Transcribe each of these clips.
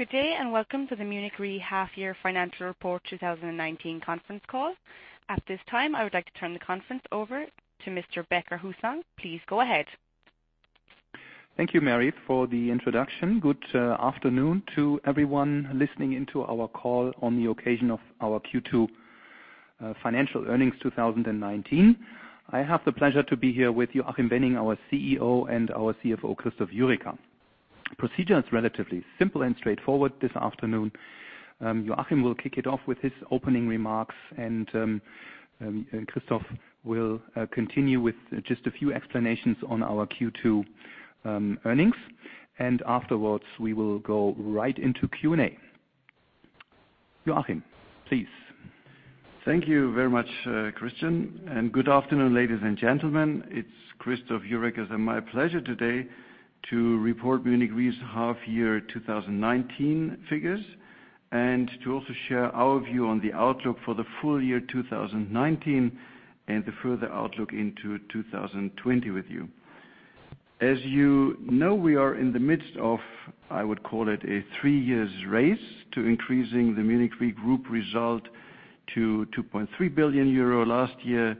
Good day, welcome to the Munich RE half-year financial report 2019 conference call. At this time, I would like to turn the conference over to Mr. Becker-Hussong. Please go ahead. Thank you, Mary, for the introduction. Good afternoon to everyone listening into our call on the occasion of our Q2 financial earnings 2019. I have the pleasure to be here with Joachim Wenning, our CEO, and our CFO, Christoph Jurecka. Procedure is relatively simple and straightforward this afternoon. Joachim will kick it off with his opening remarks, and Christoph will continue with just a few explanations on our Q2 earnings. Afterwards, we will go right into Q&A. Joachim, please. Thank you very much, Christian. Good afternoon, ladies and gentlemen. It's Christoph Jurecka. It's my pleasure today to report Munich RE's half year 2019 figures and to also share our view on the outlook for the full year 2019 and the further outlook into 2020 with you. As you know, we are in the midst of, I would call it, a three-years race to increasing the Munich RE group result to 2.3 billion euro last year,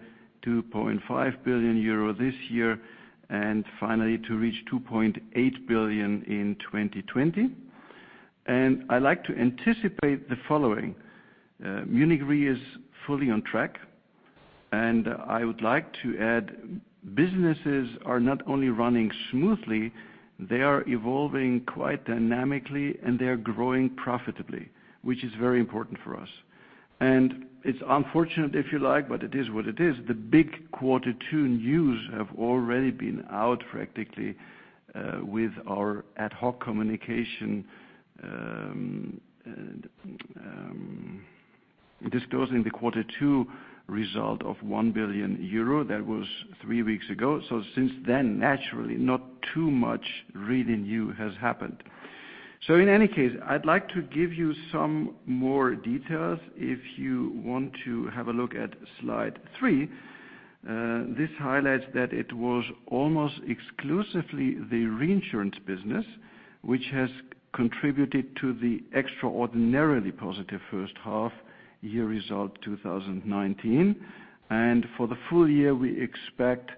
2.5 billion euro this year, and finally to reach 2.8 billion in 2020. I like to anticipate the following. Munich RE is fully on track. I would like to add, businesses are not only running smoothly, they are evolving quite dynamically, and they are growing profitably, which is very important for us. It's unfortunate if you like, but it is what it is. The big quarter two news have already been out practically, with our ad hoc communication, disclosing the quarter two result of 1 billion euro. That was three weeks ago. Since then, naturally, not too much really new has happened. In any case, I'd like to give you some more details. If you want to have a look at slide three, this highlights that it was almost exclusively the reinsurance business, which has contributed to the extraordinarily positive first half year result 2019. For the full year, we expect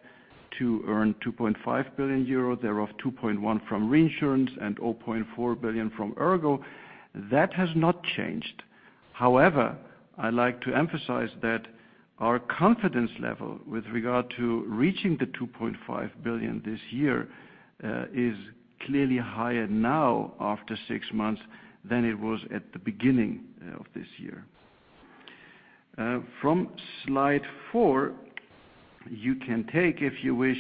to earn 2.5 billion euro, thereof 2.1 from reinsurance and 0.4 billion from ERGO. That has not changed. However, I like to emphasize that our confidence level with regard to reaching the 2.5 billion this year, is clearly higher now after six months than it was at the beginning of this year. From slide four, you can take, if you wish,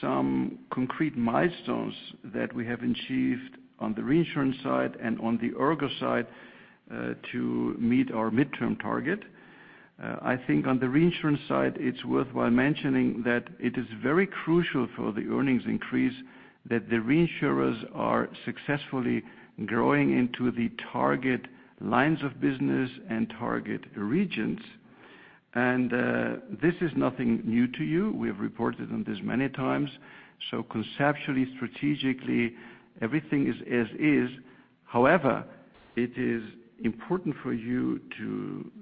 some concrete milestones that we have achieved on the reinsurance side and on the ERGO side, to meet our midterm target. I think on the reinsurance side, it's worthwhile mentioning that it is very crucial for the earnings increase that the reinsurers are successfully growing into the target lines of business and target regions. This is nothing new to you. We have reported on this many times. Conceptually, strategically, everything is as is. However, it is important for you to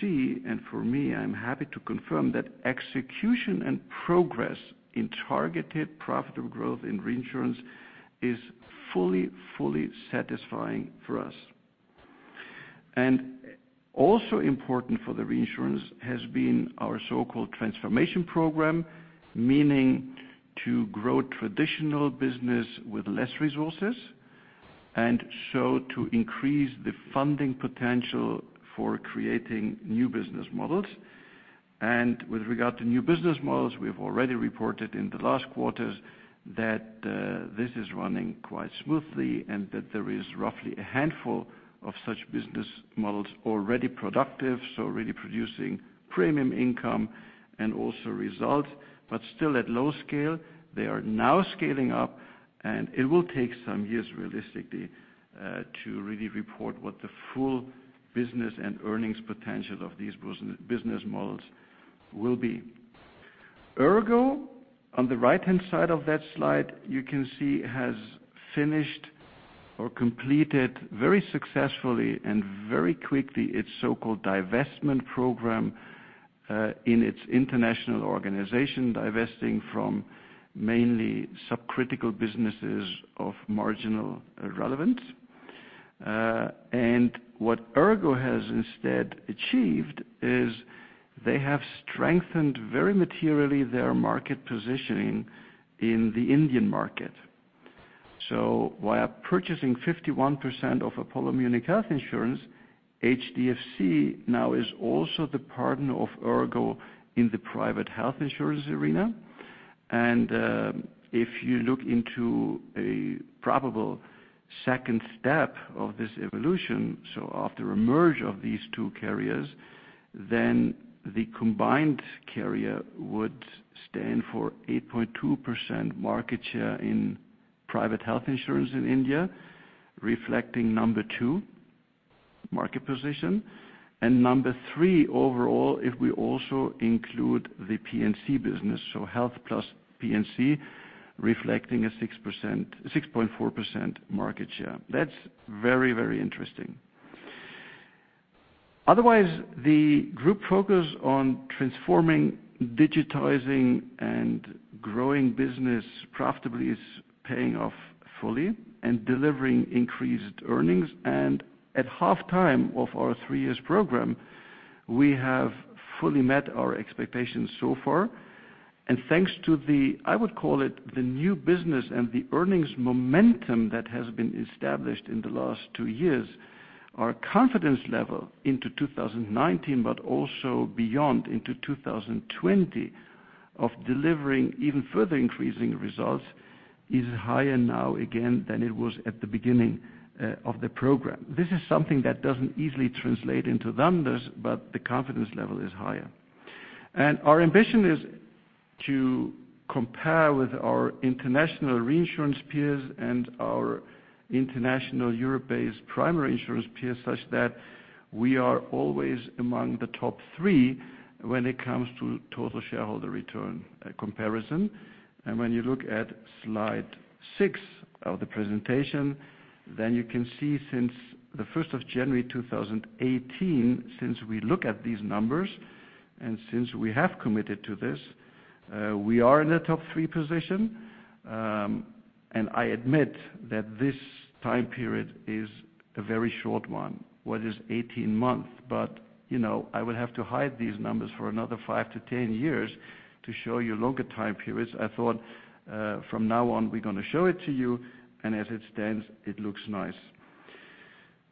see, and for me, I'm happy to confirm that execution and progress in targeted profitable growth in reinsurance is fully satisfying for us. Also important for the reinsurance has been our so-called transformation program, meaning to grow traditional business with less resources, and so to increase the funding potential for creating new business models. With regard to new business models, we have already reported in the last quarters that this is running quite smoothly and that there is roughly a handful of such business models already productive, so really producing premium income and also result, but still at low scale. They are now scaling up, and it will take some years, realistically, to really report what the full business and earnings potential of these business models will be. ERGO, on the right-hand side of that slide, you can see has finished or completed very successfully and very quickly its so-called divestment program, in its international organization, divesting from mainly subcritical businesses of marginal relevance. What ERGO has instead achieved is they have strengthened very materially their market positioning in the Indian market. While purchasing 51% of Apollo Munich Health Insurance, HDFC now is also the partner of ERGO in the private health insurance arena. If you look into a probable second step of this evolution, after a merge of these two carriers, then the combined carrier would stand for 8.2% market share in private health insurance in India, reflecting number 2 market position. Number 3 overall, if we also include the P&C business. Health plus P&C reflecting a 6.4% market share. That's very interesting. Otherwise, the group focus on transforming, digitizing and growing business profitably is paying off fully and delivering increased earnings. At halftime of our three years program, we have fully met our expectations so far. Thanks to the, I would call it, the new business and the earnings momentum that has been established in the last two years, our confidence level into 2019, but also beyond into 2020 of delivering even further increasing results is higher now again, than it was at the beginning of the program. This is something that doesn't easily translate into numbers, but the confidence level is higher. Our ambition is to compare with our international reinsurance peers and our international Europe-based primary insurance peers, such that we are always among the top three when it comes to total shareholder return comparison. When you look at slide six of the presentation, then you can see since the 1st of January 2018, since we look at these numbers and since we have committed to this, we are in the top three position. I admit that this time period is a very short one. What is 18 months? I would have to hide these numbers for another five to 10 years to show you longer time periods. I thought, from now on, we're going to show it to you, and as it stands, it looks nice.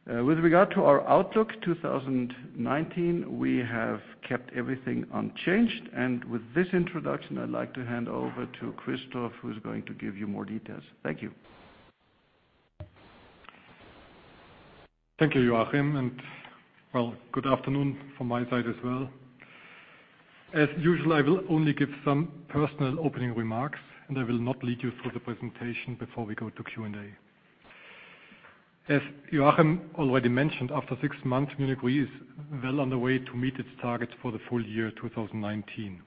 With regard to our outlook 2019, we have kept everything unchanged. With this introduction, I'd like to hand over to Christoph, who's going to give you more details. Thank you. Thank you, Joachim, and well, good afternoon from my side as well. As usual, I will only give some personal opening remarks, and I will not lead you through the presentation before we go to Q&A. As Joachim already mentioned, after six months, Munich RE is well on the way to meet its targets for the full year 2019.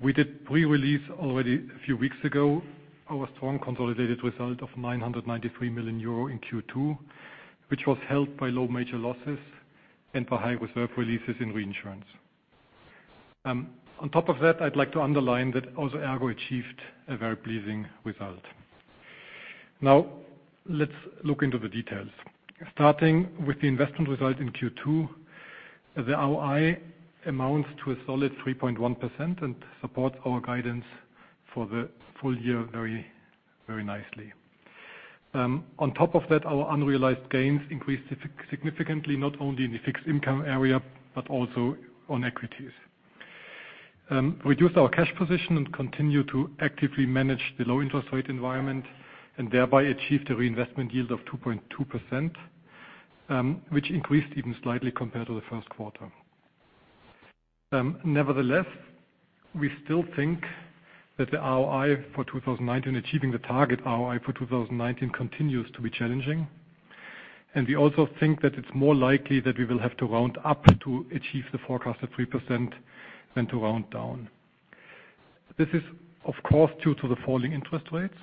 We did pre-release already a few weeks ago. Our strong consolidated result of 993 million euro in Q2, which was helped by low major losses and for high reserve releases in reinsurance. On top of that, I'd like to underline that also, ERGO achieved a very pleasing result. Let's look into the details. Starting with the investment result in Q2, the ROI amounts to a solid 3.1% and supports our guidance for the full year very nicely. On top of that, our unrealized gains increased significantly, not only in the fixed income area, but also on equities. Reduced our cash position and continue to actively manage the low interest rate environment, and thereby achieved a reinvestment yield of 2.2%, which increased even slightly compared to the first quarter. Nevertheless, we still think that the ROI for 2019, achieving the target ROI for 2019 continues to be challenging. We also think that it's more likely that we will have to round up to achieve the forecast of 3% than to round down. This is, of course, due to the falling interest rates.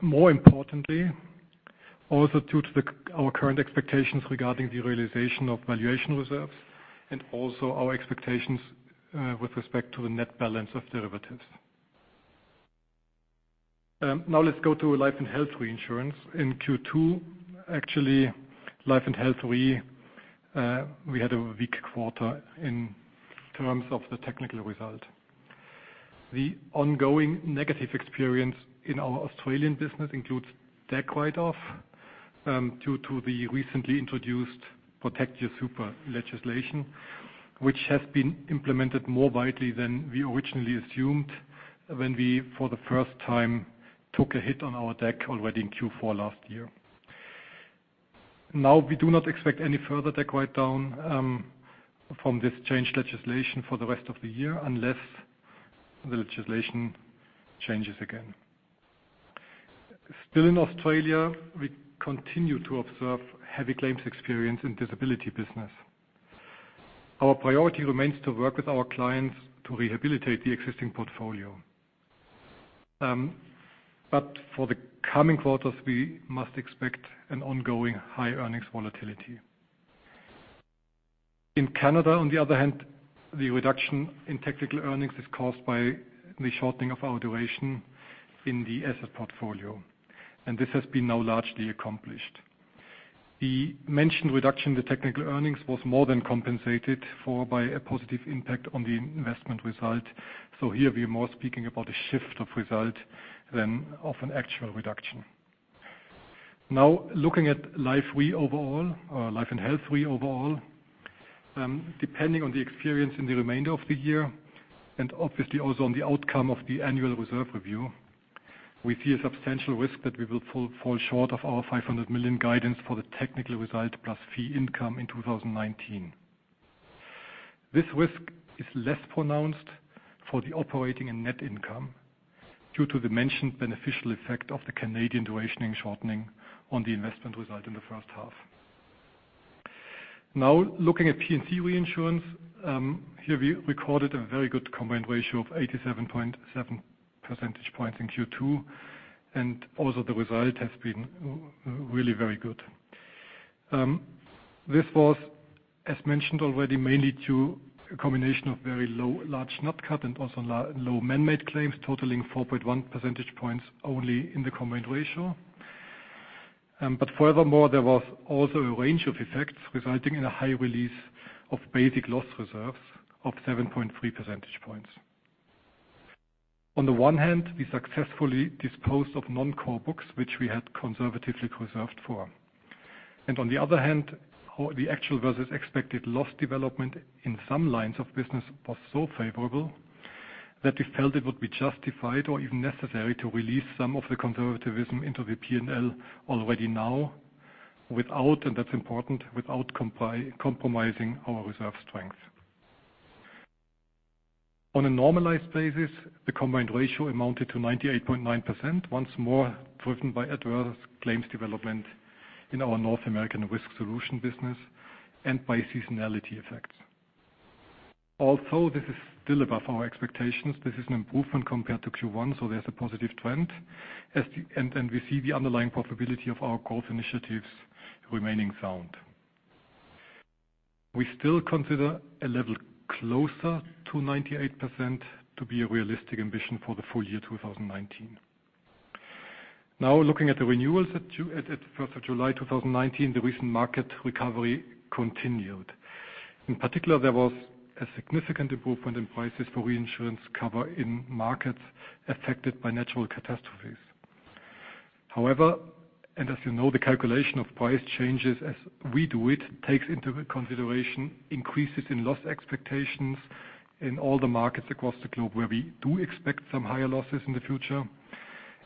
More importantly, also due to our current expectations regarding the realization of valuation reserves and also our expectations with respect to the net balance of derivatives. Now let's go to Life and Health Reinsurance. In Q2, actually, life and health, we had a weak quarter in terms of the technical result. The ongoing negative experience in our Australian business includes DAC write-off, due to the recently introduced Protecting Your Super legislation, which has been implemented more widely than we originally assumed when we, for the first time, took a hit on our DAC already in Q4 last year. Now, we do not expect any further DAC write-down from this changed legislation for the rest of the year unless the legislation changes again. Still in Australia, we continue to observe heavy claims experience in disability business. Our priority remains to work with our clients to rehabilitate the existing portfolio. For the coming quarters, we must expect an ongoing high earnings volatility. In Canada, on the other hand, the reduction in technical earnings is caused by the shortening of our duration in the asset portfolio, and this has been now largely accomplished. The mentioned reduction in the technical earnings was more than compensated for by a positive impact on the investment result. Here we are more speaking about a shift of result than of an actual reduction. Looking at Life & Health Re overall, depending on the experience in the remainder of the year and obviously also on the outcome of the annual reserve review, we see a substantial risk that we will fall short of our 500 million guidance for the technical result plus fee income in 2019. This risk is less pronounced for the operating and net income due to the mentioned beneficial effect of the Canadian duration shortening on the investment result in the first half. Looking at P&C reinsurance. Here we recorded a very good combined ratio of 87.7 percentage points in Q2, and also the result has been really very good. This was, as mentioned already, mainly to a combination of very large nat cat and also low man-made claims totaling 4.1 percentage points only in the combined ratio. Furthermore, there was also a range of effects resulting in a high release of basic loss reserves of 7.3 percentage points. On the one hand, we successfully disposed of non-core books, which we had conservatively reserved for. On the other hand, the actual versus expected loss development in some lines of business was so favorable that we felt it would be justified or even necessary to release some of the conservatism into the P&L already now, and that's important, without compromising our reserve strength. On a normalized basis, the combined ratio amounted to 98.9%, once more driven by adverse claims development in our North American risk solutions business and by seasonality effects. Although this is still above our expectations, this is an improvement compared to Q1. There's a positive trend. We see the underlying profitability of our growth initiatives remaining sound. We still consider a level closer to 98% to be a realistic ambition for the full year 2019. Now looking at the renewals at 1st of July 2019, the recent market recovery continued. In particular, there was a significant improvement in prices for reinsurance cover in markets affected by natural catastrophes. However, and as you know, the calculation of price changes as we do it, takes into consideration increases in loss expectations in all the markets across the globe, where we do expect some higher losses in the future.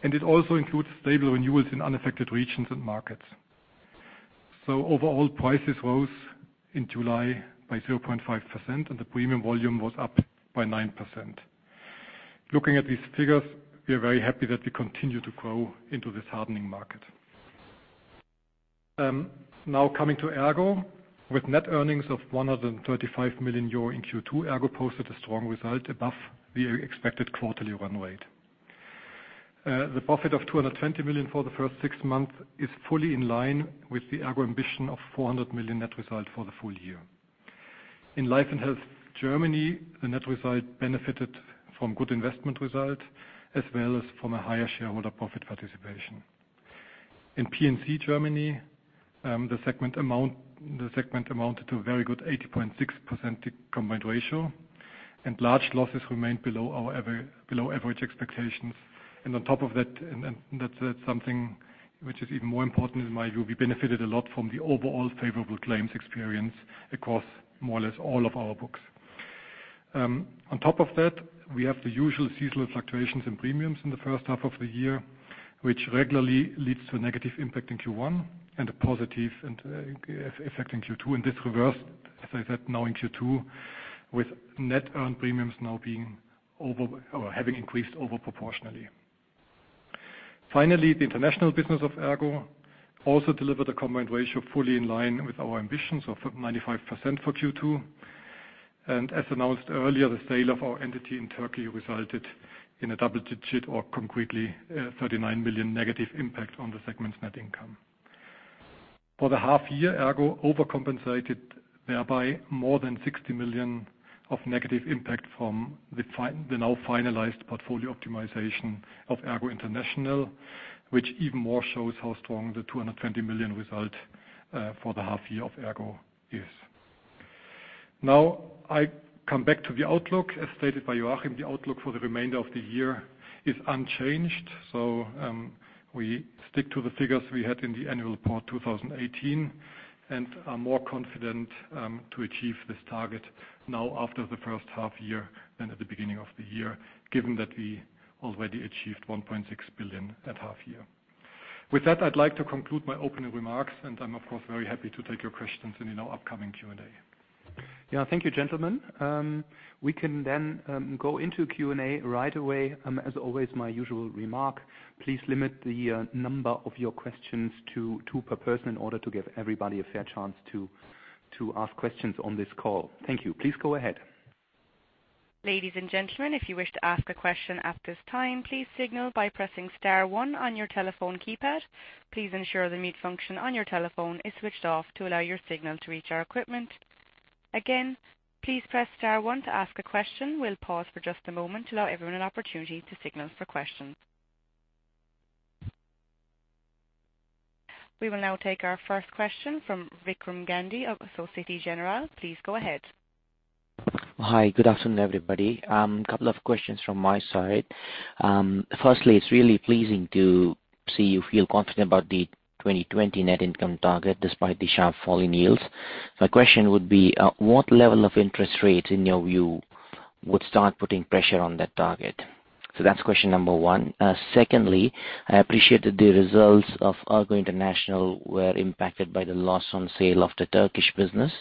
It also includes stable renewals in unaffected regions and markets. Overall, prices rose in July by 0.5%, and the premium volume was up by 9%. Looking at these figures, we are very happy that we continue to grow into this hardening market. Coming to ERGO. With net earnings of 135 million euro in Q2, ERGO posted a strong result above the expected quarterly run rate. The profit of 220 million for the first six months is fully in line with the ERGO ambition of 400 million net result for the full year. In Life & Health Germany, the net result benefited from good investment income as well as from a higher shareholder profit participation. In P&C Germany, the segment amounted to a very good 80.6% combined ratio and large losses remained below average expectations. On top of that, and that's something which is even more important in my view, we benefited a lot from the overall favorable claims experience across more or less all of our books. On top of that, we have the usual seasonal fluctuations in premiums in the first half of the year, which regularly leads to a negative impact in Q1 and a positive effect in Q2. This reversed, as I said, now in Q2 with net earned premiums now having increased over proportionally. Finally, the international business of ERGO also delivered a combined ratio fully in line with our ambitions of 95% for Q2. As announced earlier, the sale of our entity in Turkey resulted in a double-digit or concretely 39 million negative impact on the segment's net income. For the half year, ERGO overcompensated thereby more than 60 million of negative impact from the now finalized portfolio optimization of ERGO International, which even more shows how strong the 220 million result for the half year of ERGO is. I come back to the outlook. As stated by Joachim, the outlook for the remainder of the year is unchanged. We stick to the figures we had in the annual report 2018 and are more confident to achieve this target now after the first half year than at the beginning of the year, given that we already achieved 1.6 billion at half year. With that, I'd like to conclude my opening remarks, and I'm of course, very happy to take your questions in our upcoming Q&A. Thank you, gentlemen. We can then go into Q&A right away. As always, my usual remark, please limit the number of your questions to two per person in order to give everybody a fair chance to ask questions on this call. Thank you. Please go ahead. Ladies and gentlemen, if you wish to ask a question at this time, please signal by pressing star 1 on your telephone keypad. Please ensure the mute function on your telephone is switched off to allow your signal to reach our equipment. Again, please press star 1 to ask a question. We will pause for just a moment to allow everyone an opportunity to signal for questions. We will now take our first question from Vikram Gandhi of Société Générale. Please go ahead. Hi. Good afternoon, everybody. Couple of questions from my side. Firstly, it's really pleasing to see you feel confident about the 2020 net income target despite the sharp fall in yields. My question would be, at what level of interest rates, in your view, would start putting pressure on that target? That's question number one. Secondly, I appreciate that the results of ERGO International were impacted by the loss on sale of the Turkish business,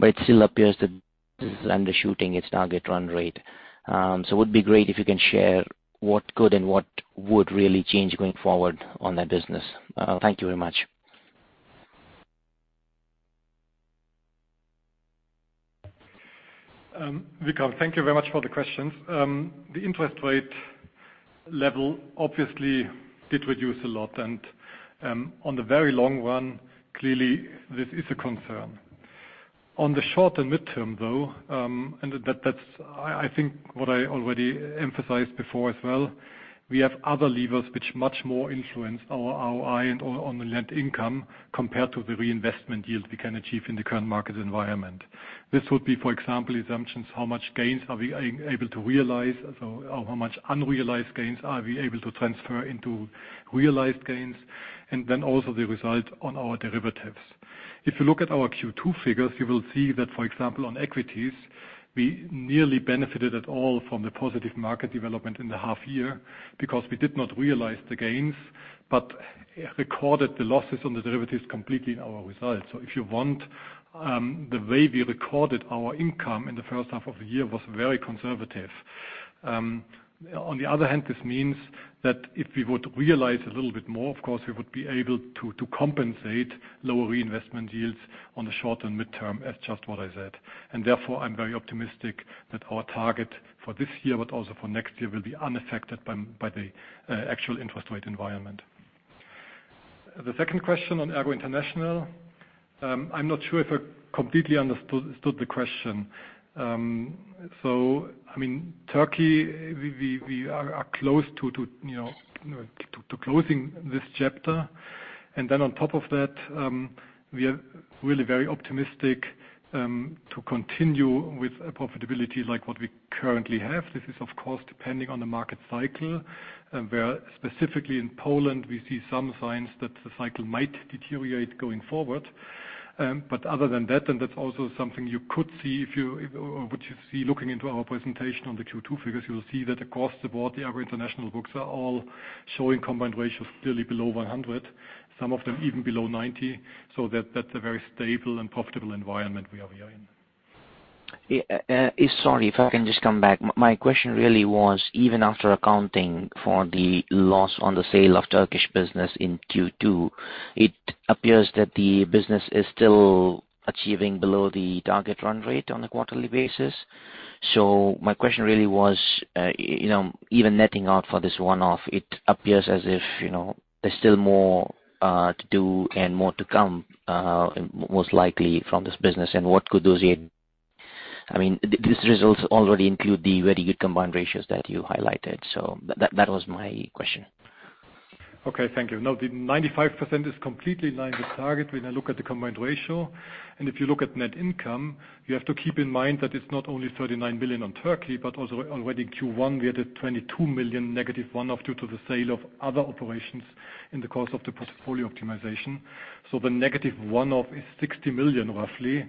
it still appears that this is undershooting its target run rate. It would be great if you can share what could and what would really change going forward on that business. Thank you very much. Vikram, thank you very much for the questions. The interest rate level obviously did reduce a lot and on the very long run, clearly this is a concern. On the short and midterm, though, and that's, I think, what I already emphasized before as well, we have other levers which much more influence our ROI on the lent income compared to the reinvestment yield we can achieve in the current market environment. This would be, for example, assumptions, how much gains are we able to realize? How much unrealized gains are we able to transfer into realized gains? Then also the result on our derivatives. If you look at our Q2 figures, you will see that, for example, on equities, we nearly benefited at all from the positive market development in the half year because we did not realize the gains, but recorded the losses on the derivatives completely in our results. If you want, the way we recorded our income in the first half of the year was very conservative. On the other hand, this means that if we were to realize a little bit more, of course, we would be able to compensate lower reinvestment yields on the short and midterm, as just what I said. Therefore, I'm very optimistic that our target for this year, but also for next year, will be unaffected by the actual interest rate environment. The second question on ERGO International. I'm not sure if I completely understood the question. Turkey, we are close to closing this chapter. On top of that, we are really very optimistic to continue with a profitability like what we currently have. This is, of course, depending on the market cycle, where specifically in Poland, we see some signs that the cycle might deteriorate going forward. Other than that, and that's also something which you see looking into our presentation on the Q2 figures. You will see that across the board, the ERGO International books are all showing combined ratios clearly below 100, some of them even below 90. That's a very stable and profitable environment we are in. Sorry, if I can just come back. My question really was, even after accounting for the loss on the sale of Turkish business in Q2, it appears that the business is still achieving below the target run rate on a quarterly basis. My question really was, even netting out for this one-off, it appears as if there's still more to do and more to come, most likely from this business. These results already include the very good combined ratios that you highlighted. That was my question. Okay. Thank you. The 95% is completely in line with target when I look at the combined ratio. If you look at net income, you have to keep in mind that it's not only 39 million on Turkey, but also already in Q1, we had a 22 million negative one-off due to the sale of other operations in the course of the portfolio optimization. The negative one-off is 60 million, roughly,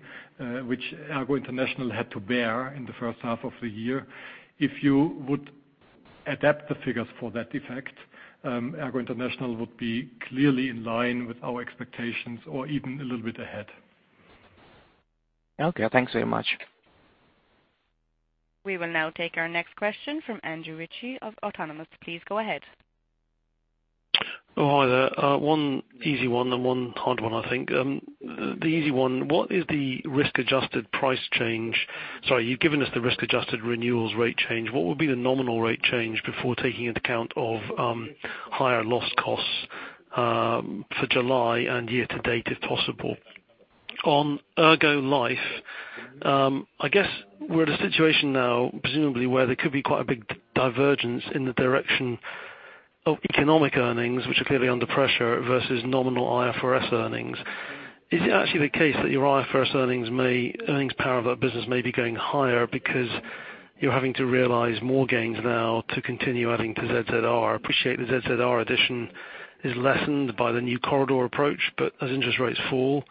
which ERGO International had to bear in the first half of the year. If you would adapt the figures for that effect, ERGO International would be clearly in line with our expectations or even a little bit ahead. Okay, thanks very much. We will now take our next question from Andrew Ritchie of Autonomous. Please go ahead. Oh, hi there. One easy one and one hard one, I think. The easy one, what is the risk-adjusted price change? Sorry, you've given us the risk-adjusted renewals rate change. What would be the nominal rate change before taking into account of higher loss costs for July and year to date, if possible? On ERGO Life, I guess we're at a situation now, presumably where there could be quite a big divergence in the direction of economic earnings, which are clearly under pressure versus nominal IFRS earnings. Is it actually the case that your IFRS earnings power of that business may be going higher because you're having to realize more gains now to continue adding to ZZR? I appreciate the ZZR addition is lessened by the new corridor method, but as interest rates fall,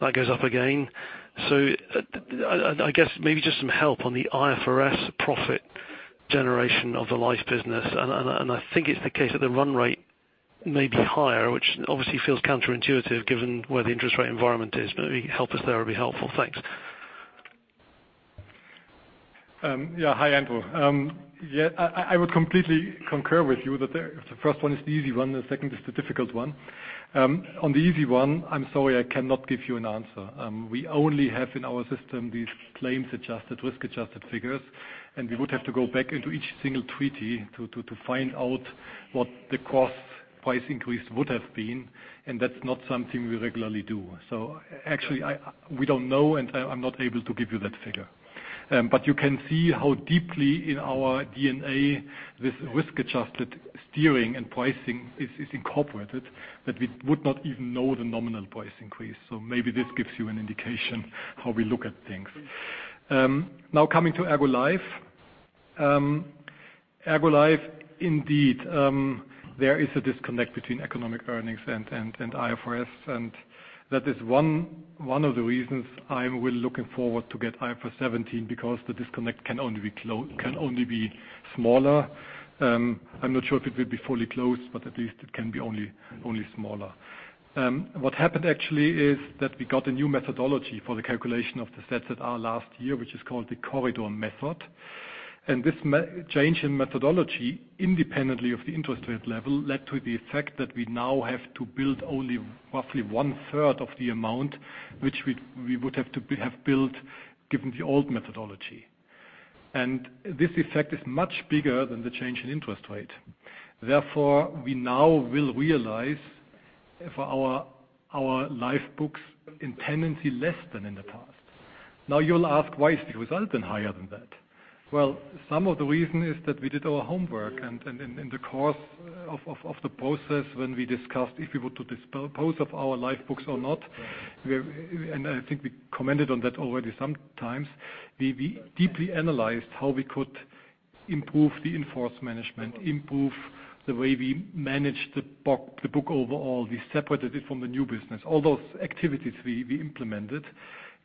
that goes up again. I guess maybe just some help on the IFRS profit generation of the life business. I think it's the case that the run rate may be higher, which obviously feels counterintuitive given where the interest rate environment is, but maybe help us there would be helpful. Thanks. Hi, Andrew. I would completely concur with you that the first one is the easy one, the second is the difficult one. On the easy one, I'm sorry, I cannot give you an answer. We only have in our system these claims-adjusted, risk-adjusted figures, and we would have to go back into each single treaty to find out what the cost price increase would have been, and that's not something we regularly do. Actually, we don't know, and I'm not able to give you that figure. You can see how deeply in our DNA this risk-adjusted steering and pricing is incorporated that we would not even know the nominal price increase. Maybe this gives you an indication how we look at things. Coming to ERGO Life. ERGO Life, indeed. There is a disconnect between economic earnings and IFRS. That is one of the reasons I am really looking forward to get IFRS 17, because the disconnect can only be smaller. I am not sure if it will be fully closed, but at least it can be only smaller. What happened actually is that we got a new methodology for the calculation of the ZZR, which is called the corridor method. This change in methodology, independently of the interest rate level, led to the effect that we now have to build only roughly one third of the amount, which we would have to have built given the old methodology. This effect is much bigger than the change in interest rate. Therefore, we now will realize for our life books in tendency less than in the past. You'll ask why is the result higher than that? Well, some of the reason is that we did our homework, in the course of the process when we discussed if we were to dispose of our life books or not, I think we commented on that already sometimes. We deeply analyzed how we could improve the in-force management, improve the way we manage the book overall. We separated it from the new business. All those activities we implemented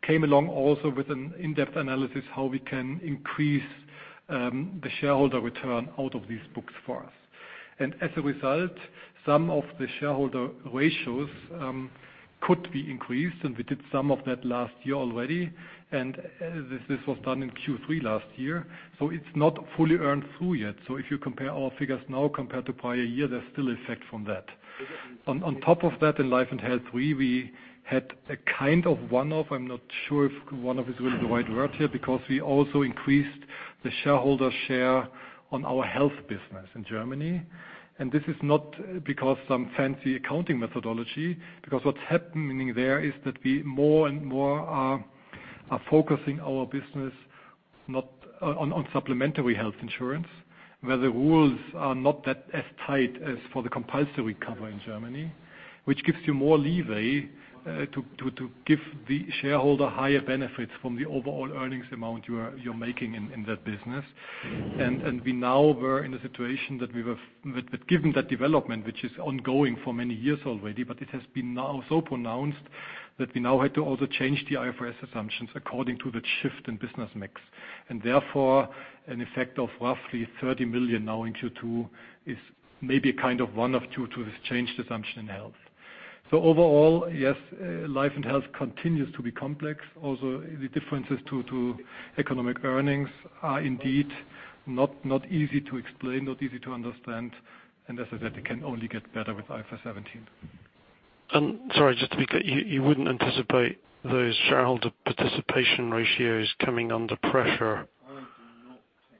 came along also with an in-depth analysis how we can increase the shareholder return out of these books for us. As a result, some of the shareholder ratios could be increased, we did some of that last year already. This was done in Q3 last year, it's not fully earned through yet. If you compare our figures now compared to prior year, there's still effect from that. On top of that, in Life and Health, we had a kind of one-off. I'm not sure if one-off is really the right word here, because we also increased the shareholder share on our health business in Germany. This is not because some fancy accounting methodology, because what's happening there is that we more and more are focusing our business not on supplementary health insurance, where the rules are not as tight as for the compulsory cover in Germany. Which gives you more leeway, to give the shareholder higher benefits from the overall earnings amount you're making in that business. We now were in a situation that given that development, which is ongoing for many years already, but it has been now so pronounced that we now had to also change the IFRS assumptions according to the shift in business mix. Therefore, an effect of roughly 30 million now in Q2 is maybe a kind of one of two to this change assumption in health. Overall, yes, Life and Health continues to be complex. Also, the differences to economic earnings are indeed not easy to explain, not easy to understand, and as I said, it can only get better with IFRS 17. Sorry, just to be clear, you wouldn't anticipate those shareholder participation ratios coming under pressure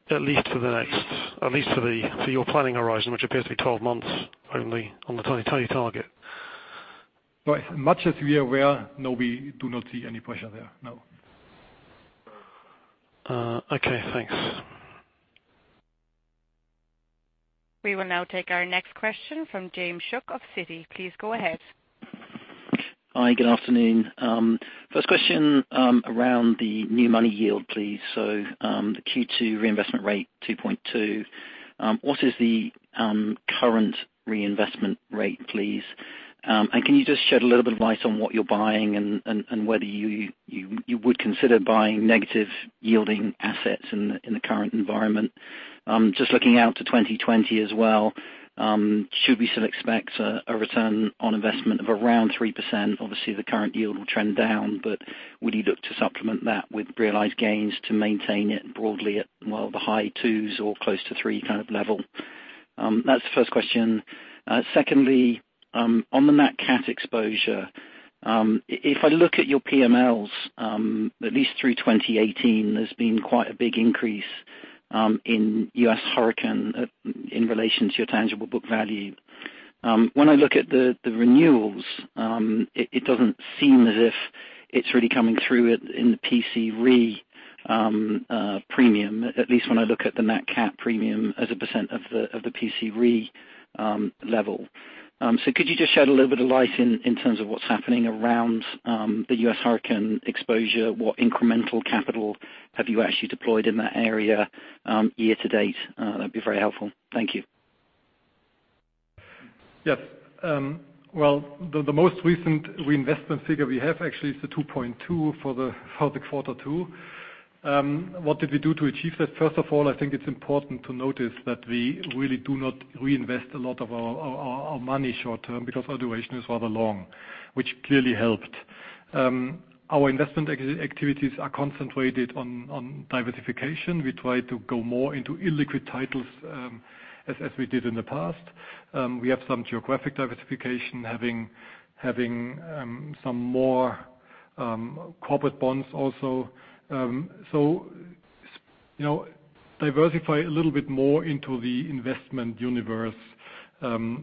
at least for your planning horizon, which appears to be 12 months only on the 2020 target. Right. Much as we are aware, no, we do not see any pressure there, no. Okay, thanks. We will now take our next question from James Shuck of Citi. Please go ahead. Hi, good afternoon. First question around the new money yield, please. The Q2 reinvestment rate, 2.2%. What is the current reinvestment rate, please? Can you just shed a little bit of light on what you're buying and whether you would consider buying negative yielding assets in the current environment? Just looking out to 2020 as well, should we still expect a return on investment of around 3%? Obviously, the current yield will trend down, would you look to supplement that with realized gains to maintain it broadly at the high 2s or close to 3 kind of level? That's the first question. Secondly, on the Nat cat exposure. If I look at your PMLs, at least through 2018, there's been quite a big increase in U.S. hurricane in relation to your tangible book value. When I look at the renewals, it doesn't seem as if it's really coming through it in the P&C Re premium, at least when I look at the nat cat premium as a % of the P&C Re level. Could you just shed a little bit of light in terms of what's happening around the U.S. hurricane exposure? What incremental capital have you actually deployed in that area year-to-date? That'd be very helpful. Thank you. Yes. Well, the most recent reinvestment figure we have actually is the 2.2 for the fourth quarter two. What did we do to achieve that? First of all, I think it's important to notice that we really do not reinvest a lot of our money short-term, because our duration is rather long, which clearly helped. Our investment activities are concentrated on diversification. We try to go more into illiquid titles, as we did in the past. We have some geographic diversification, having some more corporate bonds also. Diversify a little bit more into the investment universe,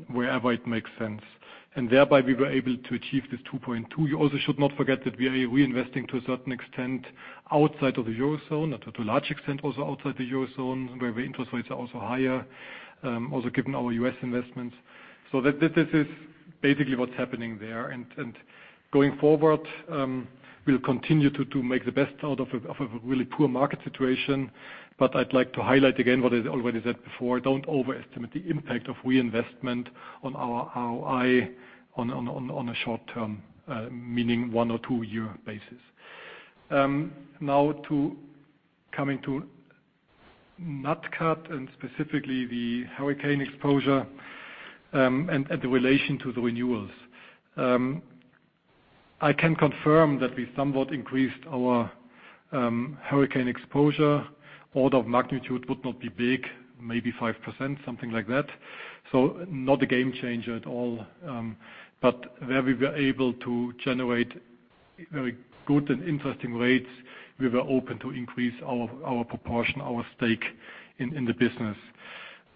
wherever it makes sense. Thereby, we were able to achieve this 2.2. You also should not forget that we are reinvesting to a certain extent outside of the Eurozone, and to a large extent, also outside the Eurozone, where interest rates are also higher. Also given our U.S. investments. This is basically what's happening there. Going forward, we'll continue to make the best out of a really poor market situation. I'd like to highlight again what I already said before, don't overestimate the impact of reinvestment on our ROI on a short term, meaning one or two year basis. Coming to Nat Cat and specifically the hurricane exposure, and the relation to the renewals. I can confirm that we somewhat increased our hurricane exposure. Order of magnitude would not be big, maybe 5%, something like that. Not a game changer at all. Where we were able to generate very good and interesting rates, we were open to increase our proportion, our stake in the business.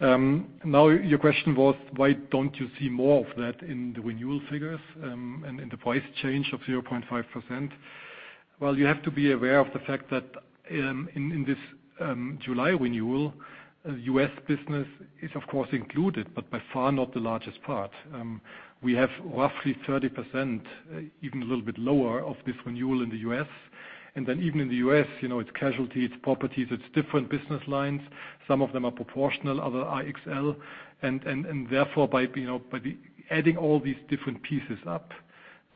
Your question was, why don't you see more of that in the renewal figures, and in the price change of 0.5%? You have to be aware of the fact that in this July renewal, U.S. business is of course included, but by far not the largest part. We have roughly 30%, even a little bit lower of this renewal in the U.S. Even in the U.S., it's casualty, it's properties, it's different business lines. Some of them are proportional, other are XL. Therefore, by adding all these different pieces up,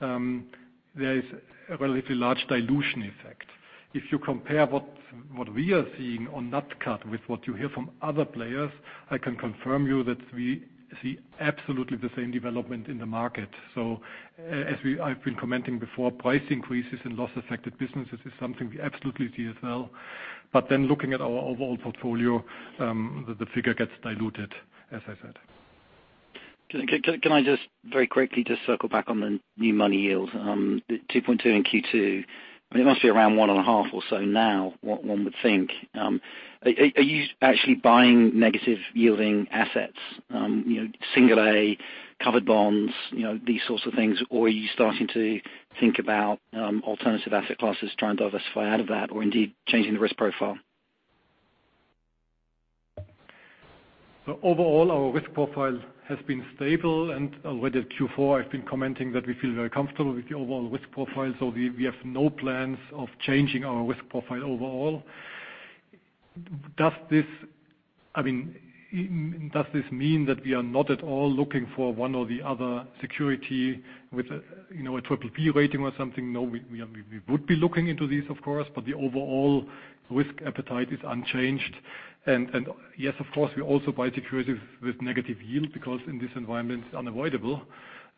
there is a relatively large dilution effect. If you compare what we are seeing on nat cat with what you hear from other players, I can confirm you that we see absolutely the same development in the market. As I've been commenting before, price increases and loss affected businesses is something we absolutely see as well. Looking at our overall portfolio, the figure gets diluted, as I said. Can I just very quickly just circle back on the new money yields, the 2.2 in Q2. I mean, it must be around one and a half or so now, one would think. Are you actually buying negative yielding assets, single A, covered bonds, these sorts of things? Are you starting to think about alternative asset classes, trying to diversify out of that? Indeed changing the risk profile? Overall, our risk profile has been stable and already at Q4, I've been commenting that we feel very comfortable with the overall risk profile. We have no plans of changing our risk profile overall. Does this mean that we are not at all looking for one or the other security with a triple B rating or something? No, we would be looking into these of course, but the overall risk appetite is unchanged. Yes, of course, we also buy securities with negative yield because in this environment it's unavoidable,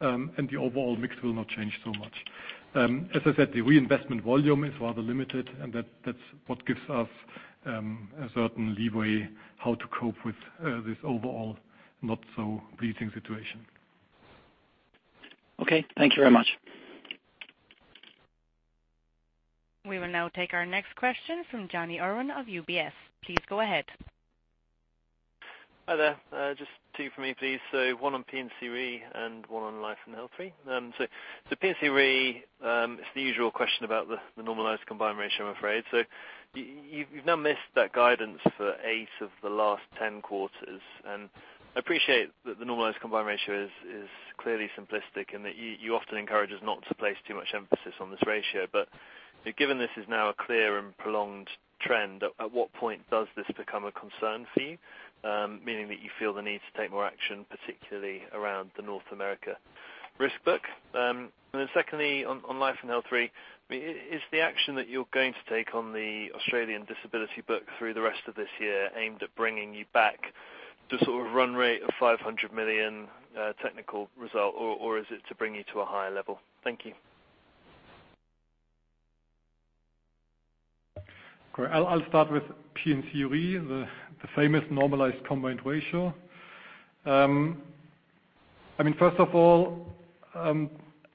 and the overall mix will not change so much. As I said, the reinvestment volume is rather limited and that's what gives us a certain leeway how to cope with this overall not so pleasing situation. Okay. Thank you very much. We will now take our next question from Johnny Irwin of UBS. Please go ahead. Hi there. Just two for me, please. One on P&C Re and one on Life & Health Re. P&C Re, it's the usual question about the normalized combined ratio, I'm afraid. You've now missed that guidance for eight of the last 10 quarters, and I appreciate that the normalized combined ratio is clearly simplistic and that you often encourage us not to place too much emphasis on this ratio. Given this is now a clear and prolonged trend, at what point does this become a concern for you? Meaning that you feel the need to take more action, particularly around the North America risk book. Secondly, on Life & Health Re, is the action that you're going to take on the Australian disability book through the rest of this year aimed at bringing you back to sort of run rate of 500 million, technical result, or is it to bring you to a higher level? Thank you. Great. I'll start with P&C Re, the famous normalized combined ratio. First of all,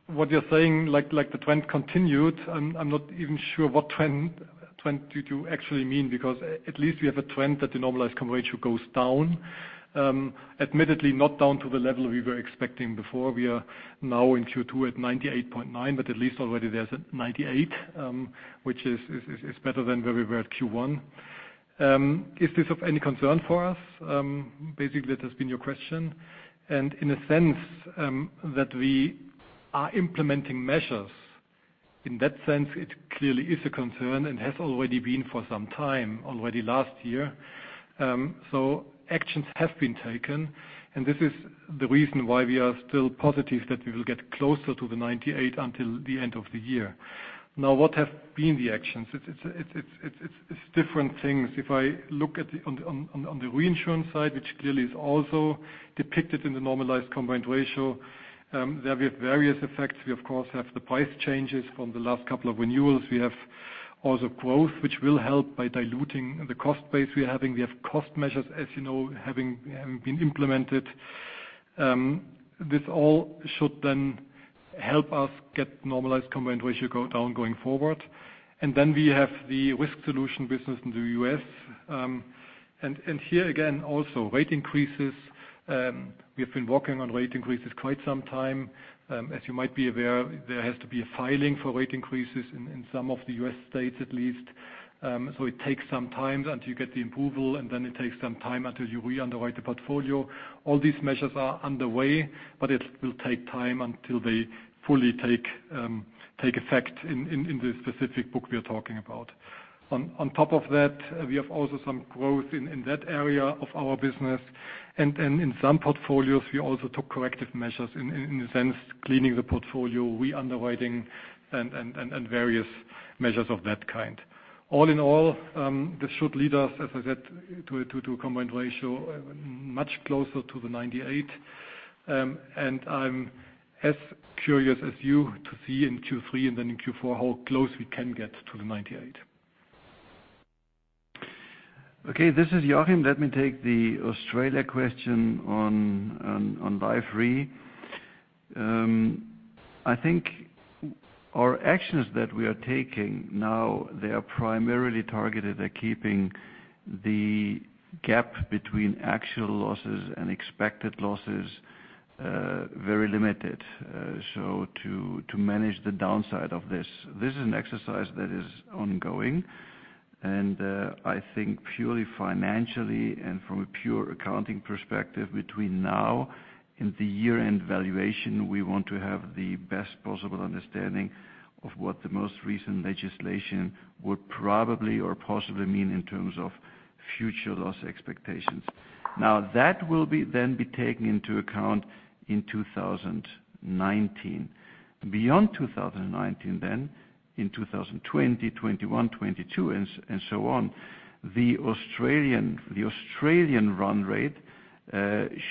what you're saying, like the trend continued, I'm not even sure what trend do you actually mean, because at least we have a trend that the normalized combined ratio goes down. Admittedly, not down to the level we were expecting before. We are now in Q2 at 98.9, but at least already there's a 98, which is better than where we were at Q1. Is this of any concern for us? Basically that has been your question, and in a sense, that we are implementing measures. In that sense, it clearly is a concern and has already been for some time, already last year. Actions have been taken, and this is the reason why we are still positive that we will get closer to the 98 until the end of the year. Now, what have been the actions? It's different things. If I look on the reinsurance side, which clearly is also depicted in the normalized combined ratio, there we have various effects. We of course have the price changes from the last couple of renewals. We have also growth, which will help by diluting the cost base we are having. We have cost measures, as you know, having been implemented. This all should then help us get normalized combined ratio go down going forward. Then we have the risk solution business in the U.S. Here again, also rate increases. We have been working on rate increases quite some time. As you might be aware, there has to be a filing for rate increases in some of the U.S. states at least. It takes some time until you get the approval, and then it takes some time until you re-underwrite the portfolio. All these measures are underway, but it will take time until they fully take effect in the specific book we are talking about. On top of that, we have also some growth in that area of our business. In some portfolios, we also took corrective measures. In a sense, cleaning the portfolio, re-underwriting and various measures of that kind. All in all, this should lead us, as I said, to a combined ratio much closer to the 98. I'm as curious as you to see in Q3 and then in Q4 how close we can get to the 98. Okay. This is Joachim. Let me take the Australia question on life RE. I think our actions that we are taking now, they are primarily targeted at keeping the gap between actual losses and expected losses very limited. To manage the downside of this. This is an exercise that is ongoing. I think purely financially and from a pure accounting perspective between now and the year-end valuation, we want to have the best possible understanding of what the most recent legislation would probably or possibly mean in terms of future loss expectations. That will then be taken into account in 2019. Beyond 2019, in 2020, 2021, 2022, and so on, the Australian run rate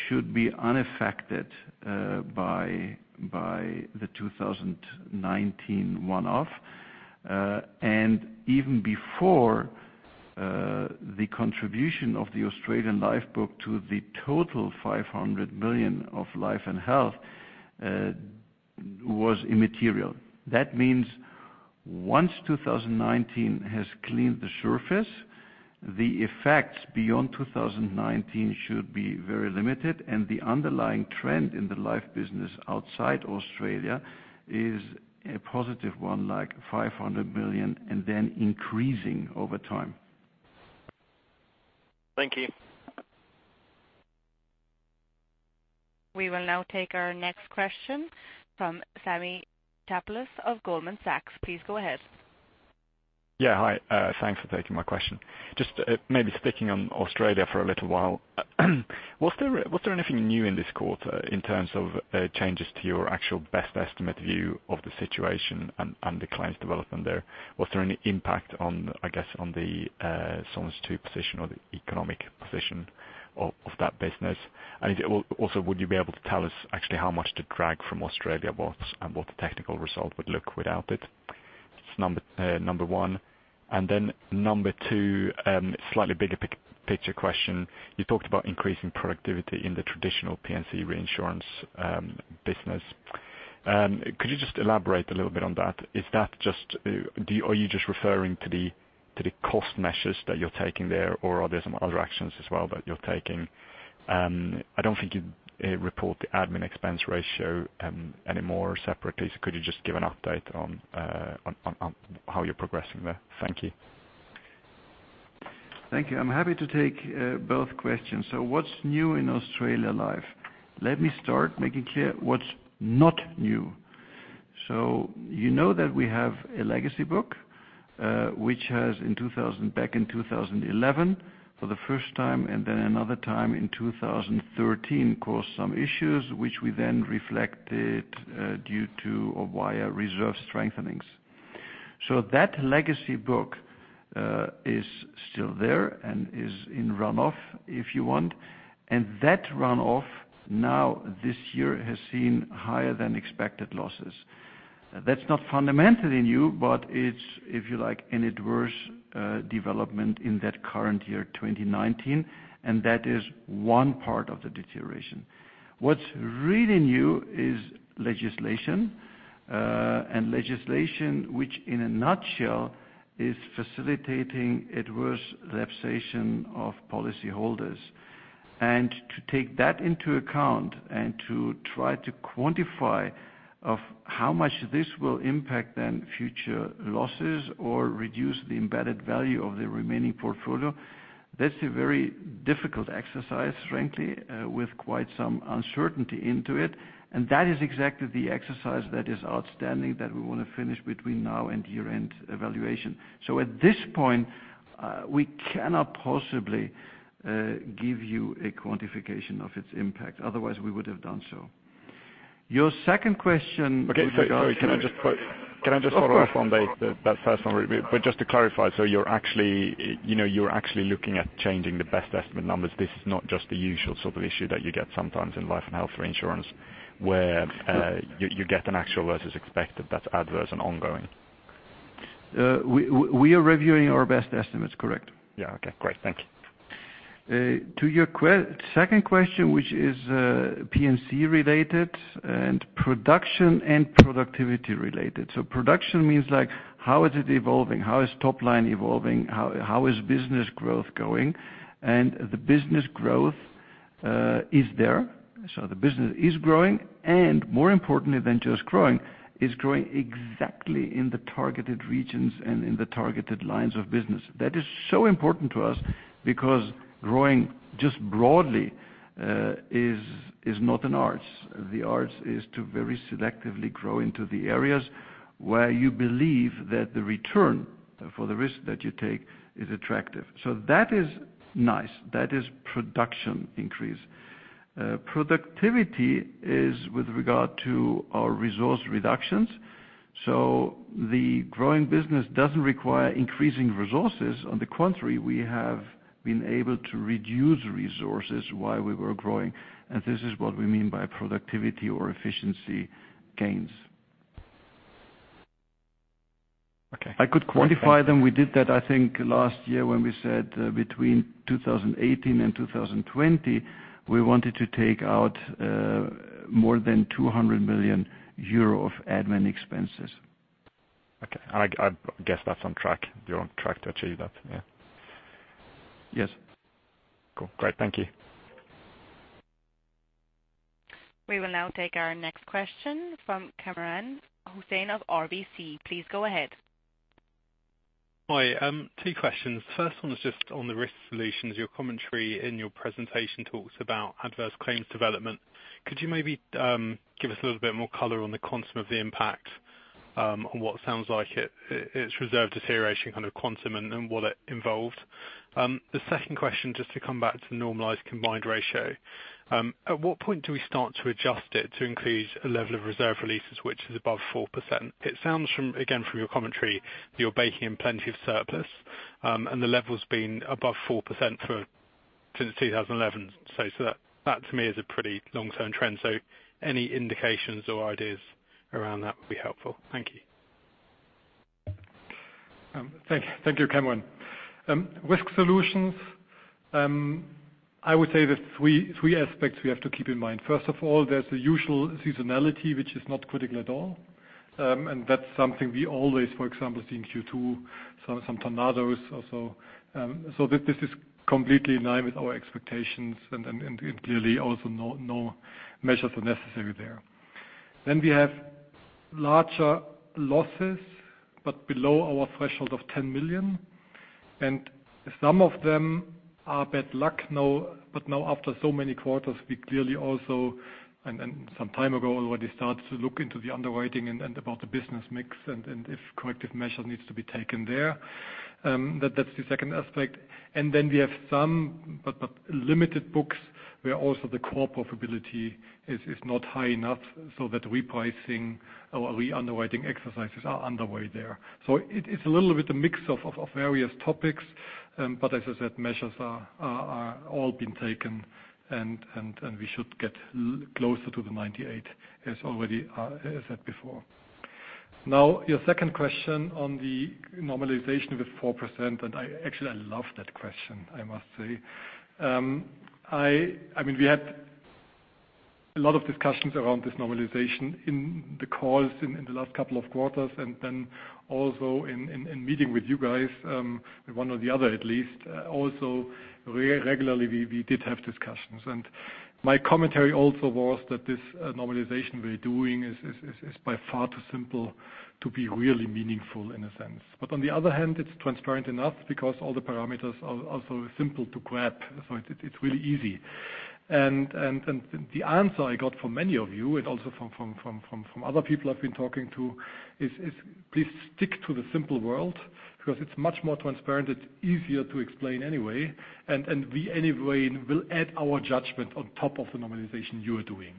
should be unaffected by the 2019 one-off. Even before, the contribution of the Australian life book to the total 500 million of life and health, was immaterial. That means once 2019 has cleaned the surface, the effects beyond 2019 should be very limited, and the underlying trend in the life business outside Australia is a positive one, like 500 million and then increasing over time. Thank you. We will now take our next question from Sami Taapalus of Goldman Sachs. Please go ahead. Yeah. Hi. Thanks for taking my question. Just maybe sticking on Australia for a little while. Was there anything new in this quarter in terms of changes to your actual best estimate view of the situation and the client's development there? Was there any impact, I guess, on the Solvency II position or the economic position of that business? Would you be able to tell us actually how much the drag from Australia was and what the technical result would look without it? This is number 1. Number 2, slightly bigger picture question. You talked about increasing productivity in the traditional P&C reinsurance business. Could you just elaborate a little bit on that? Are you just referring to the cost measures that you're taking there, or are there some other actions as well that you're taking? I don't think you report the admin expense ratio anymore separately. Could you just give an update on how you're progressing there? Thank you. Thank you. I'm happy to take both questions. What's new in Australia Life? Let me start making clear what's not new. You know that we have a legacy book, which has back in 2011 for the first time, and then another time in 2013, caused some issues which we then reflected due to, or via reserve strengthenings. That legacy book is still there and is in runoff if you want. That runoff now this year has seen higher than expected losses. That's not fundamentally new, but it's, if you like, an adverse development in that current year 2019, and that is one part of the deterioration. What's really new is legislation. Legislation which, in a nutshell, is facilitating adverse lapsation of policy holders. To take that into account and to try to quantify of how much this will impact then future losses or reduce the embedded value of the remaining portfolio, that's a very difficult exercise, frankly, with quite some uncertainty into it. That is exactly the exercise that is outstanding that we want to finish between now and year-end evaluation. At this point, we cannot possibly give you a quantification of its impact. Otherwise, we would have done so. Your second question with regards to. Okay. Sorry. Can I just follow up on that first one? Just to clarify, you're actually looking at changing the best estimate numbers. This is not just the usual sort of issue that you get sometimes in Life and Health Reinsurance, where you get an actual versus expected that's adverse and ongoing. We are reviewing our best estimates, correct. Yeah. Okay, great. Thank you. To your second question, which is P&C related and production and productivity related. Production means like, how is it evolving? How is top line evolving? How is business growth going? The business is growing, and more importantly than just growing, is growing exactly in the targeted regions and in the targeted lines of business. That is so important to us because growing just broadly is not an art. The art is to very selectively grow into the areas where you believe that the return for the risk that you take is attractive. That is nice. That is production increase. Productivity is with regard to our resource reductions. The growing business doesn't require increasing resources. On the contrary, we have been able to reduce resources while we were growing, and this is what we mean by productivity or efficiency gains. Okay. I could quantify them. We did that, I think, last year when we said between 2018 and 2020, we wanted to take out more than 200 million euro of admin expenses. Okay. I guess that's on track. You're on track to achieve that, yeah? Yes. Cool. Great. Thank you. We will now take our next question from Kamran Hossain of RBC. Please go ahead. Hi. Two questions. First one is just on the risk solutions. Your commentary in your presentation talks about adverse claims development. Could you maybe give us a little bit more color on the quantum of the impact, on what sounds like it's reserve deterioration, kind of quantum and what it involved? The second question, just to come back to normalized combined ratio. At what point do we start to adjust it to increase a level of reserve releases, which is above 4%? It sounds, again, from your commentary, you're baking in plenty of surplus, and the level's been above 4% since 2011. That to me is a pretty long-term trend. Any indications or ideas around that would be helpful. Thank you. Thank you, Kamran. Risk solutions. I would say there is three aspects we have to keep in mind. First of all, there is the usual seasonality, which is not critical at all. That's something we always, for example, see in Q2, some tornadoes or so. This is completely in line with our expectations and clearly also no measures are necessary there. We have larger losses, but below our threshold of 10 million. Some of them are bad luck. Now after so many quarters, we clearly also, and some time ago, already started to look into the underwriting and about the business mix and if corrective measure needs to be taken there. That's the second aspect. We have some, but limited books, where also the core profitability is not high enough so that repricing or re-underwriting exercises are underway there. It's a little bit a mix of various topics. As I said, measures are all being taken and we should get closer to the 98% as already said before. Your second question on the normalization with 4%, and actually I love that question, I must say. We had a lot of discussions around this normalization in the calls in the last couple of quarters, and then also in meeting with you guys, one or the other, at least. Also regularly we did have discussions. My commentary also was that this normalization we're doing is by far too simple to be really meaningful in a sense. On the other hand, it's transparent enough because all the parameters are also simple to grab. It's really easy. The answer I got from many of you and also from other people I've been talking to is, please stick to the simple world because it's much more transparent. It's easier to explain anyway, and we anyway will add our judgment on top of the normalization you are doing.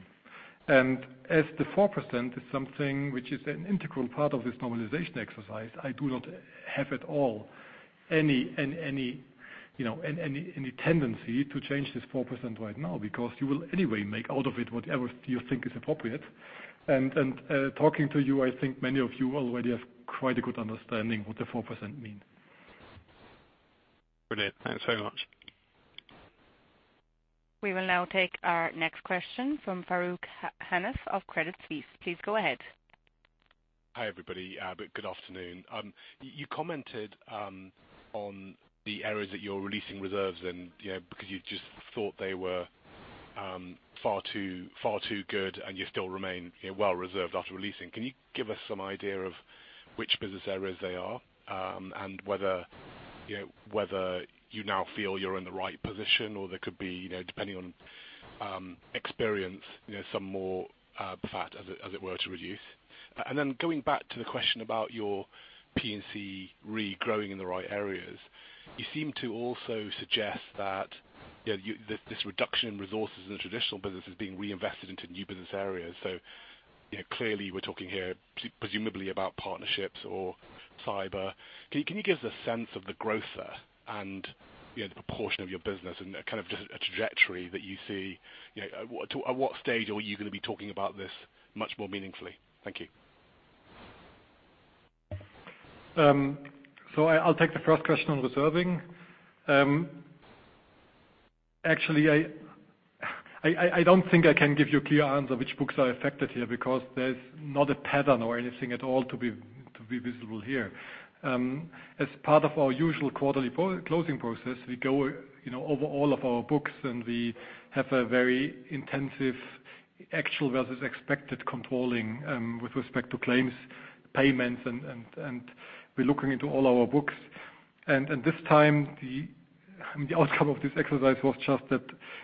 As the 4% is something which is an integral part of this normalization exercise, I do not have at all any tendency to change this 4% right now. Because you will anyway make out of it whatever you think is appropriate. Talking to you, I think many of you already have quite a good understanding what the 4% mean. Brilliant. Thanks very much. We will now take our next question from Farooq Hanif of Credit Suisse. Please go ahead. Hi, everybody. Good afternoon. You commented on the areas that you're releasing reserves and because you just thought they were far too good and you still remain well reserved after releasing. Can you give us some idea of which business areas they are? Whether you now feel you're in the right position or there could be, depending on experience, some more fat, as it were, to reduce. Going back to the question about your P&C Re growing in the right areas. You seem to also suggest that this reduction in resources in the traditional business is being reinvested into new business areas. Clearly we're talking here presumably about partnerships or cyber. Can you give us a sense of the growth there and the proportion of your business and kind of just a trajectory that you see? At what stage are you going to be talking about this much more meaningfully? Thank you. I'll take the first question on reserving. Actually, I don't think I can give you a clear answer which books are affected here, because there's not a pattern or anything at all to be visible here. As part of our usual quarterly closing process, we go over all of our books, and we have a very intensive actual versus expected controlling with respect to claims, payments, and we're looking into all our books. This time, the outcome of this exercise was just that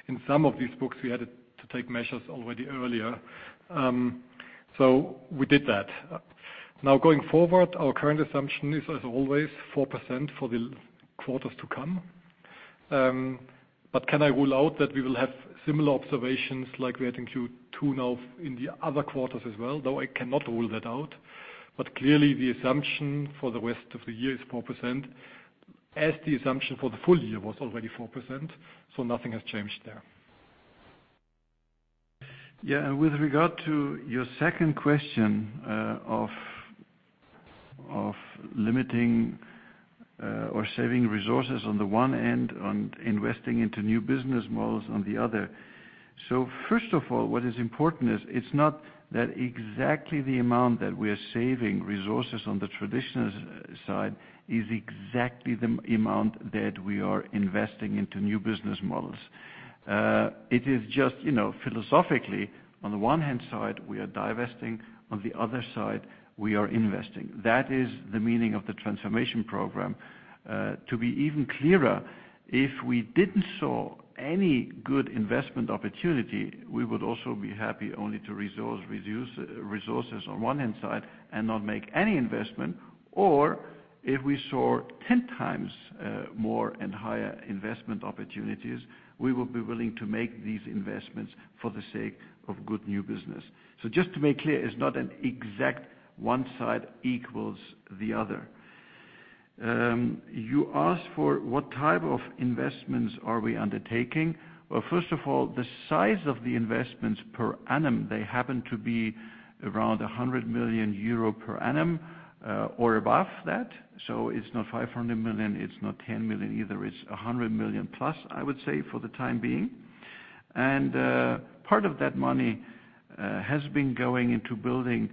in some of these books, we had to take measures already earlier. We did that. Now going forward, our current assumption is, as always, 4% for the quarters to come. Can I rule out that we will have similar observations like we had in Q2 now in the other quarters as well, though? I cannot rule that out. Clearly the assumption for the rest of the year is 4%, as the assumption for the full year was already 4%, so nothing has changed there. Yeah. With regard to your second question of limiting or saving resources on the one end and investing into new business models on the other. First of all, what is important is it's not that exactly the amount that we are saving resources on the traditional side is exactly the amount that we are investing into new business models. It is just philosophically, on the one hand side, we are divesting, on the other side, we are investing. That is the meaning of the transformation program. To be even clearer, if we didn't saw any good investment opportunity, we would also be happy only to resource reduce resources on one hand side and not make any investment. If we saw 10 times more and higher investment opportunities, we would be willing to make these investments for the sake of good new business. Just to make clear, it's not an exact one side equals the other. You asked for what type of investments are we undertaking. Well, first of all, the size of the investments per annum, they happen to be around 100 million euro per annum, or above that. It's not 500 million, it's not 10 million either. It's 100 million plus, I would say, for the time being. Part of that money has been going into building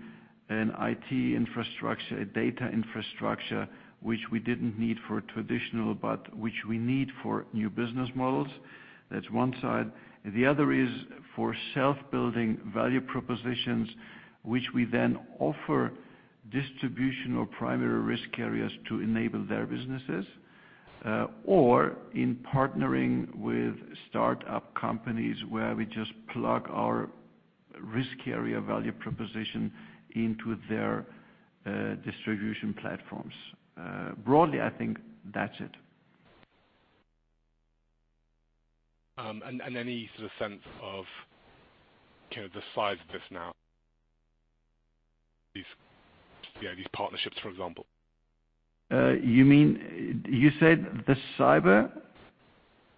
an IT infrastructure, a data infrastructure, which we didn't need for traditional, but which we need for new business models. That's one side. The other is for self-building value propositions, which we then offer distribution or primary risk carriers to enable their businesses. In partnering with startup companies where we just plug our risk carrier value proposition into their distribution platforms. Broadly, I think that's it. Any sort of sense of the size of this now, these partnerships, for example? You said the cyber?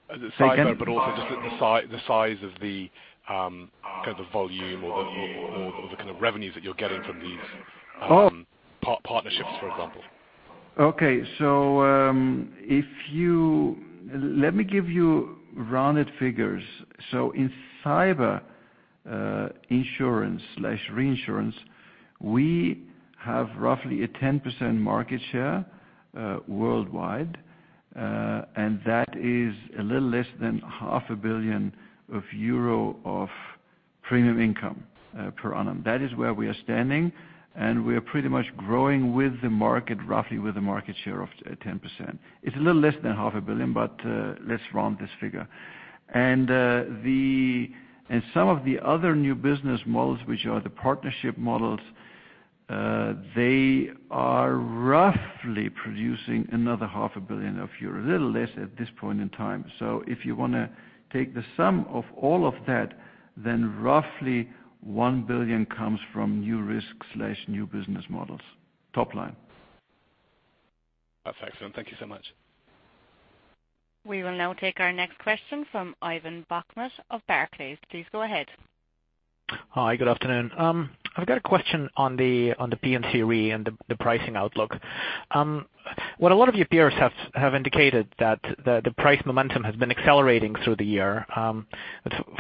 Say again. The cyber, but also just the size of the volume or the kind of revenues that you're getting from these partnerships, for example. Okay. Let me give you rounded figures. In cyber insurance/reinsurance, we have roughly a 10% market share worldwide. That is a little less than half a billion EUR of premium income per annum. That is where we are standing, and we are pretty much growing with the market, roughly with a market share of 10%. It's a little less than half a billion, but let's round this figure. Some of the other new business models, which are the partnership models, they are roughly producing another half a billion EUR, a little less at this point in time. If you want to take the sum of all of that, then roughly 1 billion comes from new risks/new business models. Top line. That's excellent. Thank you so much. We will now take our next question from Ivan Bokhmat of Barclays. Please go ahead. Hi, good afternoon. I've got a question on the P&C Re and the pricing outlook. What a lot of your peers have indicated that the price momentum has been accelerating through the year.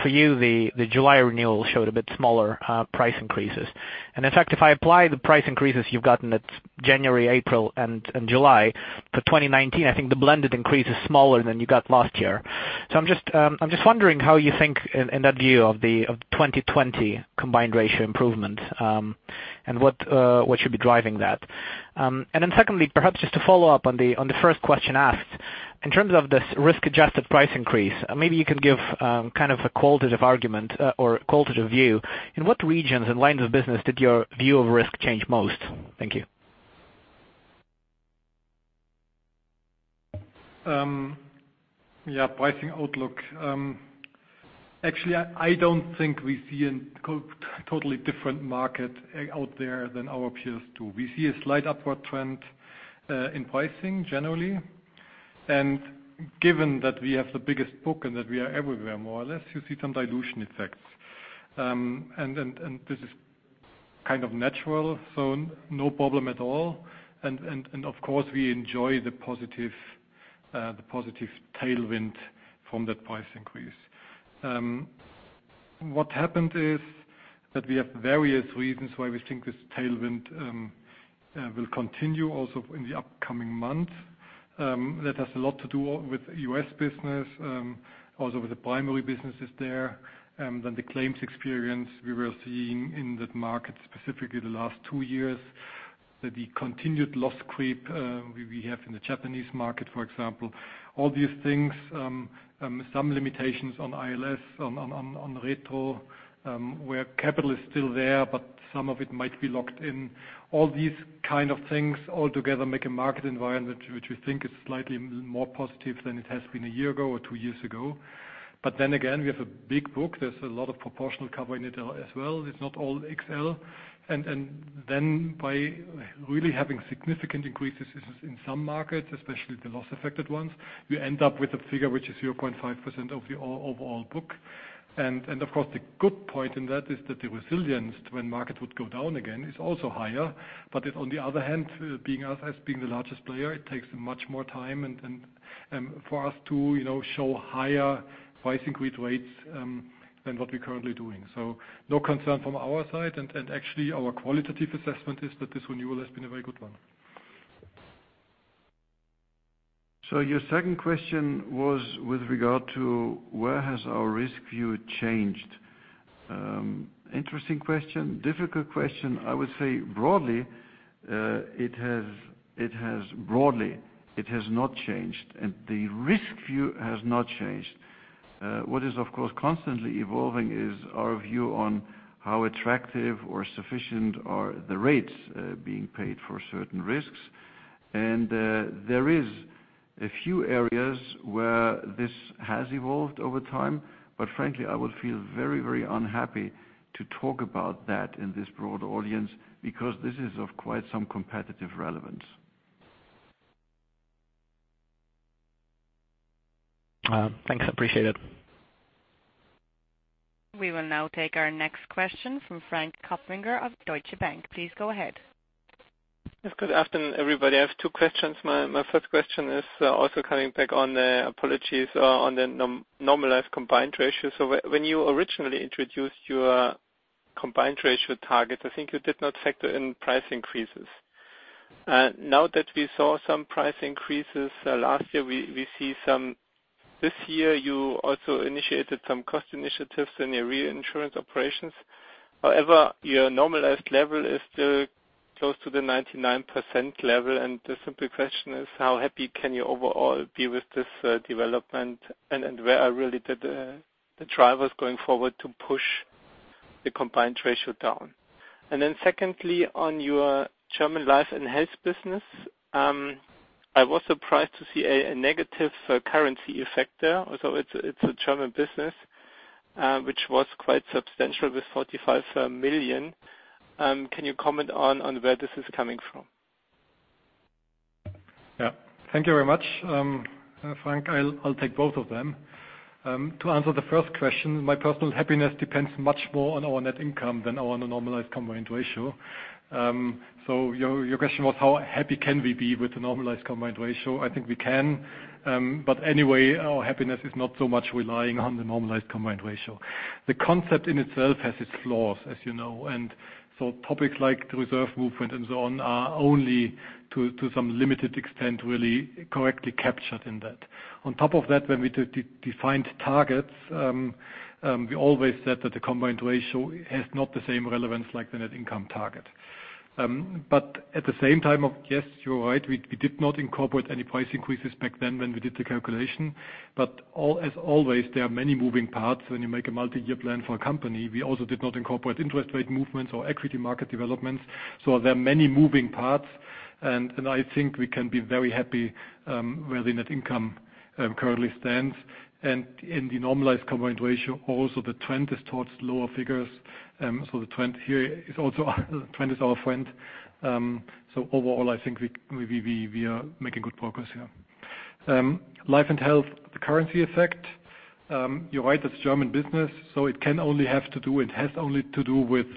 For you, the July renewal showed a bit smaller price increases. In fact, if I apply the price increases you've gotten at January, April, and July for 2019, I think the blended increase is smaller than you got last year. I'm just wondering how you think in that view of the 2020 combined ratio improvement. What should be driving that. Secondly, perhaps just to follow up on the first question asked, in terms of this risk-adjusted price increase, maybe you can give kind of a qualitative argument or qualitative view. In what regions and lines of business did your view of risk change most? Thank you. Pricing outlook. Actually, I don't think we see a totally different market out there than our peers do. We see a slight upward trend in pricing generally. Given that we have the biggest book and that we are everywhere, more or less, you see some dilution effects. This is kind of natural, so no problem at all. Of course, we enjoy the positive tailwind from that price increase. What happened is that we have various reasons why we think this tailwind will continue also in the upcoming months. That has a lot to do with U.S. business, also with the primary businesses there. The claims experience we were seeing in that market, specifically the last two years, that the continued loss creep we have in the Japanese market, for example. All these things, some limitations on ILS, on retro, where capital is still there, but some of it might be locked in. All these kind of things all together make a market environment which we think is slightly more positive than it has been a year ago or two years ago. We have a big book. There's a lot of proportional cover in it as well. It's not all XL. By really having significant increases in some markets, especially the loss-affected ones, we end up with a figure which is 0.5% of the overall book. Of course, the good point in that is that the resilience when market would go down again is also higher. If on the other hand, being us as being the largest player, it takes much more time and for us to show higher price increase rates than what we are currently doing. No concern from our side. Actually, our qualitative assessment is that this renewal has been a very good one. Your second question was with regard to where has our risk view changed. Interesting question. Difficult question. I would say broadly, it has not changed, and the risk view has not changed. What is, of course, constantly evolving is our view on how attractive or sufficient are the rates being paid for certain risks. There is a few areas where this has evolved over time. Frankly, I would feel very unhappy to talk about that in this broad audience, because this is of quite some competitive relevance. Thanks. Appreciate it. We will now take our next question from Frank Kopfinger of Deutsche Bank. Please go ahead. Yes, good afternoon, everybody. I have two questions. My first question is also coming back on the, apologies, on the normalized combined ratio. When you originally introduced your combined ratio target, I think you did not factor in price increases. Now that we saw some price increases last year, we see this year you also initiated some cost initiatives in your reinsurance operations. However, your normalized level is still close to the 99% level, and the simple question is, how happy can you overall be with this development, and where are really the drivers going forward to push the combined ratio down? Secondly, on your German life and health business. I was surprised to see a negative currency effect there, although it's a German business, which was quite substantial with 45 million. Can you comment on where this is coming from? Yeah. Thank you very much, Frank. I'll take both of them. To answer the first question, my personal happiness depends much more on our net income than on a normalized combined ratio. Your question was how happy can we be with the normalized combined ratio? I think we can. Anyway, our happiness is not so much relying on the normalized combined ratio. The concept in itself has its flaws, as you know. Topics like the reserve movement and so on are only to some limited extent, really correctly captured in that. On top of that, when we defined targets, we always said that the combined ratio has not the same relevance like the net income target. At the same time, yes, you're right. We did not incorporate any price increases back then when we did the calculation. As always, there are many moving parts when you make a multi-year plan for a company. We also did not incorporate interest rate movements or equity market developments. There are many moving parts, and I think we can be very happy where the net income currently stands. In the normalized combined ratio also, the trend is towards lower figures. The trend here is also our friend. Overall, I think we are making good progress here. Life and Health, the currency effect. You're right, that's German business, so it has only to do with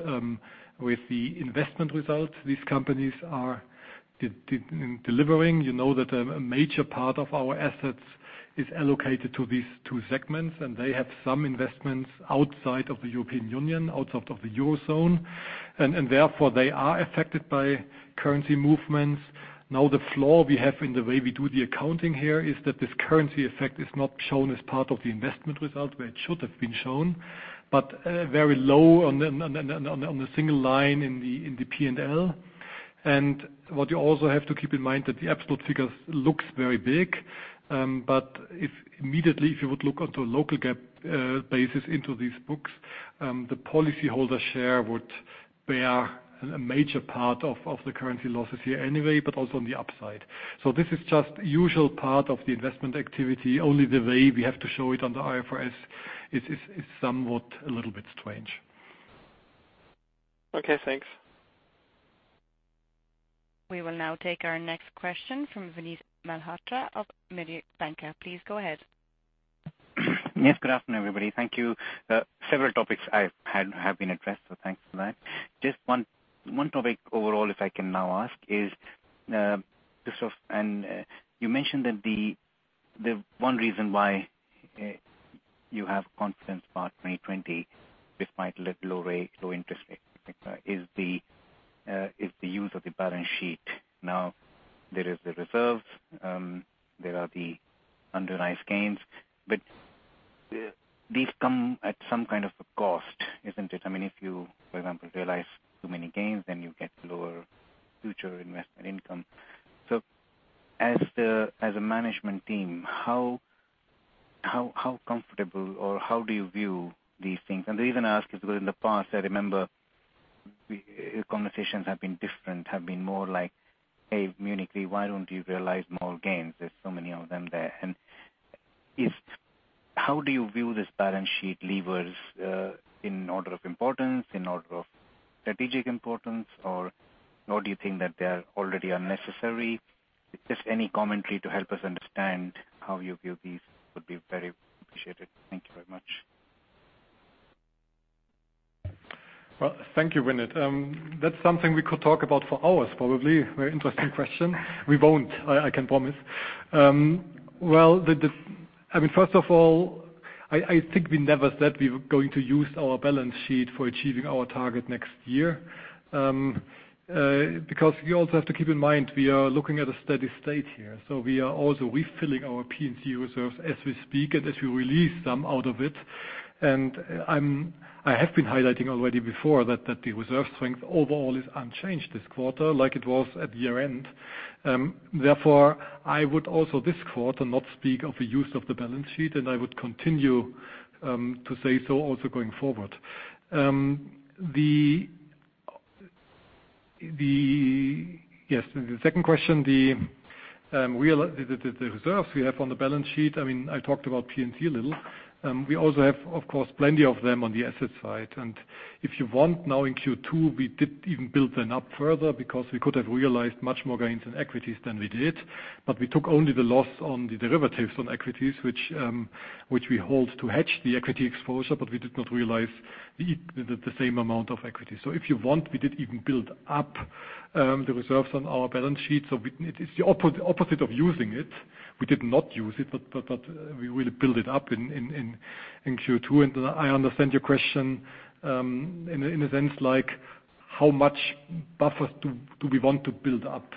the investment results these companies are delivering. You know that a major part of our assets is allocated to these two segments, and they have some investments outside of the European Union, outside of the Eurozone. Therefore, they are affected by currency movements. The flaw we have in the way we do the accounting here is that this currency effect is not shown as part of the investment result where it should have been shown, but very low on the single line in the P&L. What you also have to keep in mind that the absolute figure looks very big. Immediately, if you would look onto a local GAAP basis into these books, the policyholder share would bear a major part of the currency losses here anyway, but also on the upside. This is just usual part of the investment activity. Only the way we have to show it on the IFRS is somewhat a little bit strange. Okay, thanks. We will now take our next question from Vinit Malhotra of Mediobanca. Please go ahead. Yes. Good afternoon, everybody. Thank you. Several topics have been addressed. Thanks for that. Just one topic overall if I can now ask is, you mentioned that the one reason why you have confidence about 2020 despite low interest rates is the use of the balance sheet. There is the reserves, there are the unrealized gains. These come at some kind of a cost, isn't it? If you, for example, realize too many gains, you get lower future investment income. As a management team, how comfortable or how do you view these things? The reason I ask is because in the past I remember conversations have been different, have been more like, "Hey, Munich RE, why don't you realize more gains? There's so many of them there. How do you view these balance sheet levers, in order of importance, in order of strategic importance, or nor do you think that they are already unnecessary? Just any commentary to help us understand how you view these would be very appreciated. Thank you very much. Well, thank you, Vinit. That's something we could talk about for hours, probably. Very interesting question. We won't, I can promise. First of all, I think we never said we were going to use our balance sheet for achieving our target next year. We also have to keep in mind, we are looking at a steady state here. We are also refilling our P&C reserves as we speak and as we release some out of it. I have been highlighting already before that the reserve strength overall is unchanged this quarter like it was at year-end. Therefore, I would also this quarter not speak of the use of the balance sheet, and I would continue to say so also going forward. The second question, the reserves we have on the balance sheet, I talked about P&C a little. We also have, of course, plenty of them on the asset side. If you want now in Q2, we did even build them up further because we could have realized much more gains in equities than we did. We took only the loss on the derivatives on equities, which we hold to hedge the equity exposure, but we did not realize the same amount of equity. If you want, we did even build up the reserves on our balance sheet. It is the opposite of using it. We did not use it, but we will build it up in Q2. I understand your question in a sense, like how much buffers do we want to build up?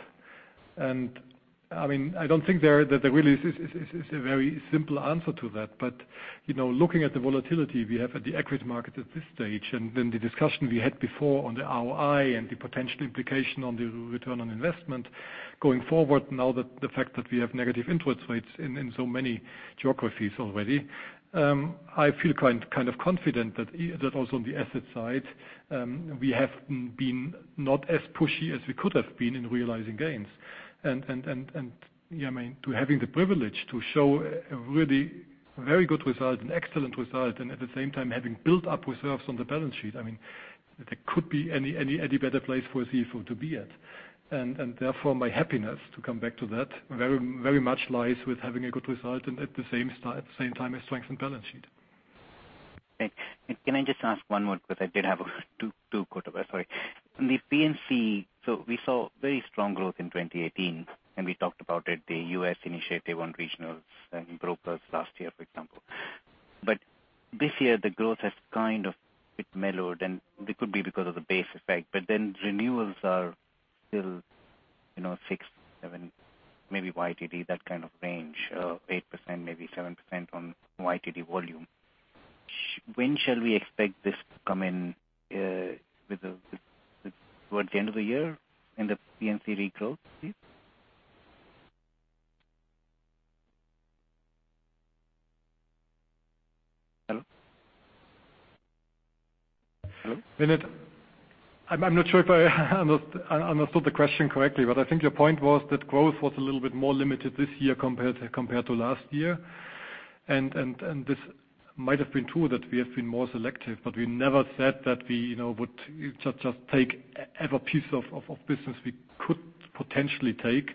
I don't think there really is a very simple answer to that. Looking at the volatility we have at the equity market at this stage, then the discussion we had before on the ROI and the potential implication on the return on investment going forward, now the fact that we have negative interest rates in so many geographies already. I feel kind of confident that also on the asset side, we have been not as pushy as we could have been in realizing gains. To having the privilege to show a really very good result, an excellent result, and at the same time having built up reserves on the balance sheet, there could be any better place for a CFO to be at. Therefore my happiness, to come back to that, very much lies with having a good result and at the same time, a strengthened balance sheet. Okay. Can I just ask one more? I did have two sort of, sorry. On the P&C, we saw very strong growth in 2018, and we talked about it, the U.S. initiative on regionals and brokers last year, for example. This year, the growth has kind of bit mellowed, and it could be because of the base effect. Renewals are still six, seven, maybe YTD, that kind of range, 8%, maybe 7% on YTD volume. When shall we expect this to come in, towards the end of the year in the P&C regrowth, please? Hello? Vinit, I'm not sure if I understood the question correctly, I think your point was that growth was a little bit more limited this year compared to last year. This might have been true that we have been more selective, we never said that we would just take every piece of business we could potentially take.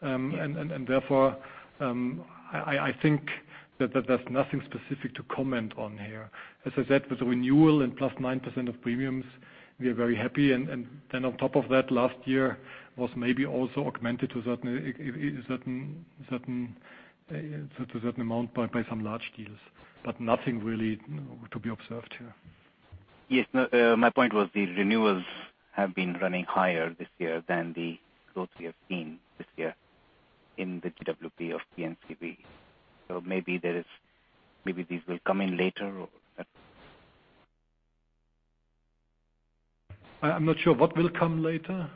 Therefore, I think that there's nothing specific to comment on here. As I said, with the renewal and plus 9% of premiums, we are very happy. On top of that, last year was maybe also augmented to a certain amount by some large deals. Nothing really to be observed here. Yes. No, my point was the renewals have been running higher this year than the growth we have seen this year in the GWP of P&C Re. Maybe these will come in later? I'm not sure. What will come later?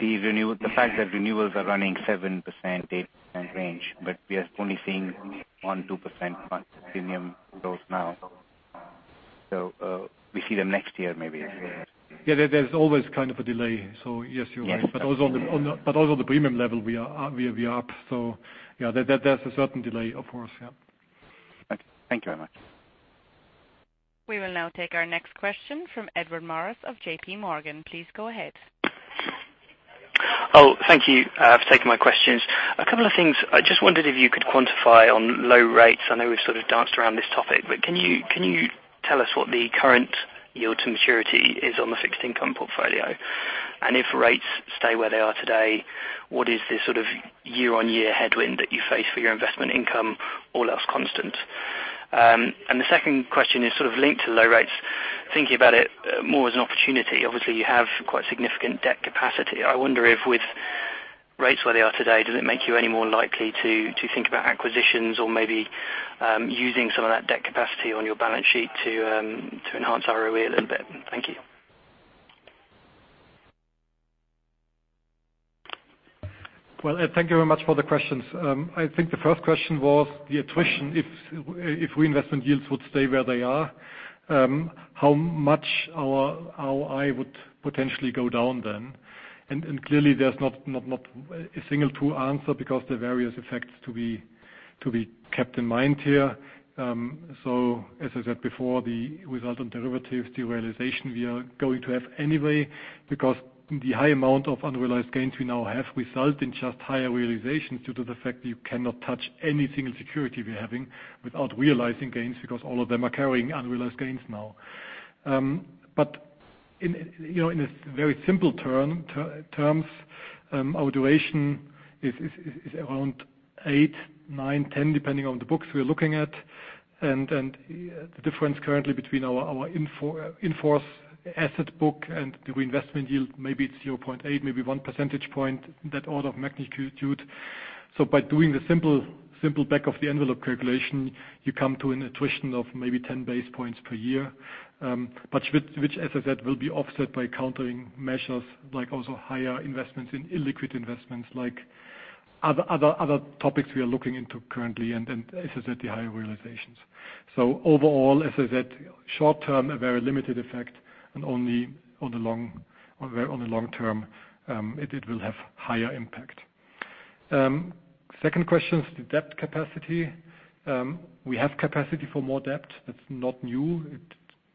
The fact that renewals are running 7%-8% range, we are only seeing 1%-2% on premium growth now. We see them next year, maybe. Yeah, there's always kind of a delay. Yes, you're right. Yes. Also on the premium level we are up. Yeah, there's a certain delay, of course. Yeah. Okay. Thank you very much. We will now take our next question from Edward Morris of JPMorgan. Please go ahead. Oh, thank you for taking my questions. A couple of things. I just wondered if you could quantify on low rates. I know we've sort of danced around this topic, but can you tell us what the current yield to maturity is on the fixed income portfolio? If rates stay where they are today, what is the year-on-year headwind that you face for your investment income, all else constant? The second question is sort of linked to low rates. Thinking about it more as an opportunity. Obviously, you have quite significant debt capacity. I wonder if with rates where they are today, does it make you any more likely to think about acquisitions or maybe using some of that debt capacity on your balance sheet to enhance ROE a little bit? Thank you. Well, thank you very much for the questions. I think the first question was the attrition. If reinvestment yields would stay where they are, how much our ROI would potentially go down then. Clearly there's not a single true answer because the various effects to be kept in mind here. As I said before, the result on derivative de-realization we are going to have anyway, because the high amount of unrealized gains we now have result in just higher realization due to the fact that you cannot touch any single security we are having without realizing gains because all of them are carrying unrealized gains now. In a very simple terms, our duration is around eight, nine, 10, depending on the books we're looking at. The difference currently between our in-force asset book and the reinvestment yield, maybe it's 0.8, maybe one percentage point, that order of magnitude. By doing the simple back-of-the-envelope calculation, you come to an attrition of maybe 10 basis points per year. Which, as I said, will be offset by countering measures like also higher investments in illiquid investments, like other topics we are looking into currently and, as I said, the higher realizations. Overall, as I said, short term, a very limited effect and only on the long term it will have higher impact. Second question is the debt capacity. We have capacity for more debt. That's not new. It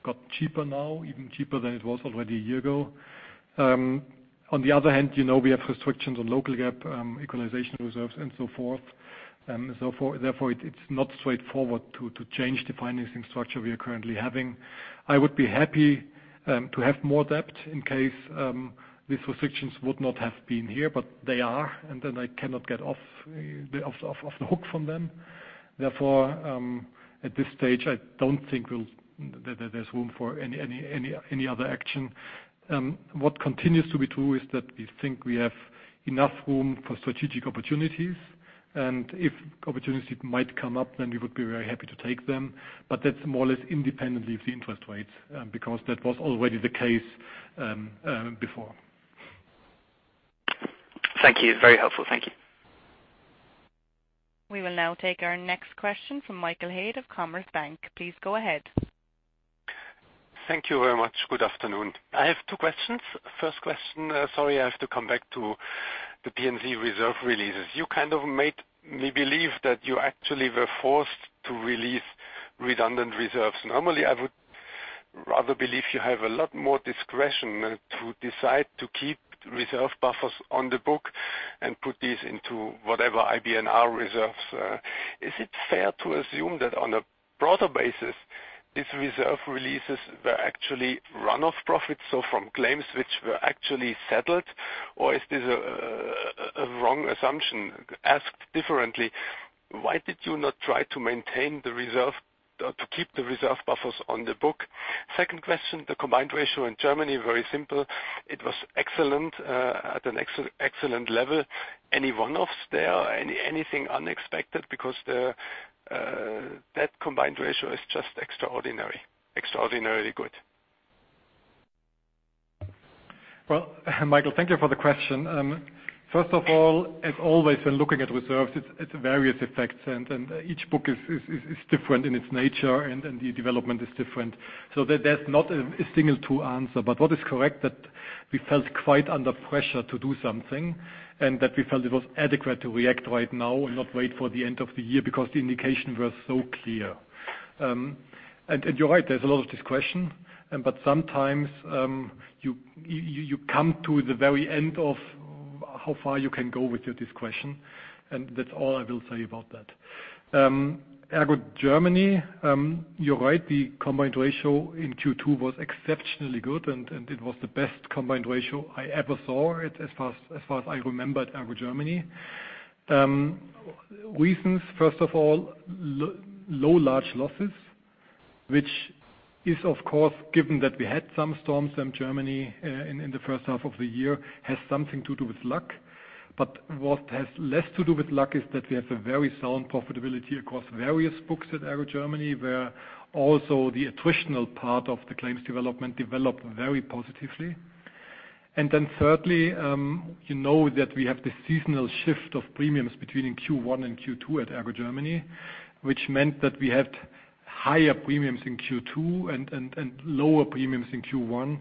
got cheaper now, even cheaper than it was already a year ago. On the other hand, we have restrictions on local GAAP equalization reserves and so forth. Therefore, it's not straightforward to change the financing structure we are currently having. I would be happy to have more debt in case these restrictions would not have been here, but they are, and then I cannot get off the hook from them. Therefore, at this stage, I don't think there's room for any other action. What continues to be true is that we think we have enough room for strategic opportunities, and if opportunities might come up, then we would be very happy to take them. That's more or less independently of the interest rates, because that was already the case before. Thank you. Very helpful. Thank you. We will now take our next question from Michael Haid of Commerzbank. Please go ahead. Thank you very much. Good afternoon. I have two questions. First question, sorry, I have to come back to the P&C reserve releases. You kind of made me believe that you actually were forced to release redundant reserves. Normally, I would rather believe you have a lot more discretion to decide to keep reserve buffers on the book and put these into whatever IBNR reserves. Is it fair to assume that on a broader basis, these reserve releases were actually run-off profits, so from claims which were actually settled? Is this a wrong assumption? Asked differently, why did you not try to maintain the reserve or to keep the reserve buffers on the book? Second question, the combined ratio in Germany, very simple. It was at an excellent level. Any one-offs there? Anything unexpected? Because that combined ratio is just extraordinarily good. Well, Michael, thank you for the question. First of all, as always, when looking at reserves, it's various effects, and each book is different in its nature, and the development is different. There's not a single true answer. What is correct, that we felt quite under pressure to do something, and that we felt it was adequate to react right now and not wait for the end of the year because the indication was so clear. You're right, there's a lot of discretion, but sometimes you come to the very end of how far you can go with your discretion, and that's all I will say about that. ERGO Germany, you're right, the combined ratio in Q2 was exceptionally good, and it was the best combined ratio I ever saw as far as I remember at ERGO Germany. Reasons, first of all, low large losses, which is, of course, given that we had some storms in Germany in the first half of the year, has something to do with luck. What has less to do with luck is that we have a very sound profitability across various books at ERGO Germany, where also the attritional part of the claims development developed very positively. Thirdly, you know that we have the seasonal shift of premiums between Q1 and Q2 at ERGO Germany, which meant that we had higher premiums in Q2 and lower premiums in Q1.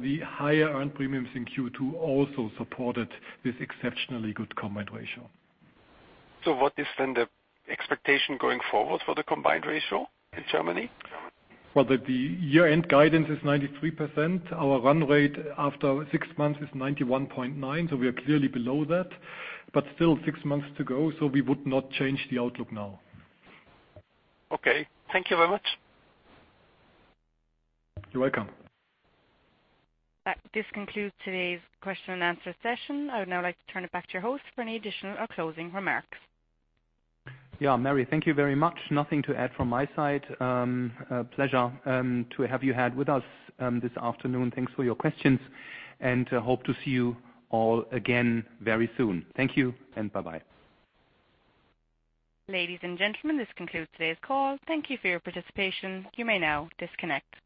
The higher earned premiums in Q2 also supported this exceptionally good combined ratio. What is then the expectation going forward for the combined ratio in Germany? Well, the year-end guidance is 93%. Our run rate after six months is 91.9, so we are clearly below that, but still six months to go, so we would not change the outlook now. Okay. Thank you very much. You're welcome. This concludes today's question and answer session. I would now like to turn it back to your host for any additional or closing remarks. Yeah, Mary, thank you very much. Nothing to add from my side. A pleasure to have you had with us this afternoon. Thanks for your questions. Hope to see you all again very soon. Thank you and bye-bye. Ladies and gentlemen, this concludes today's call. Thank you for your participation. You may now disconnect.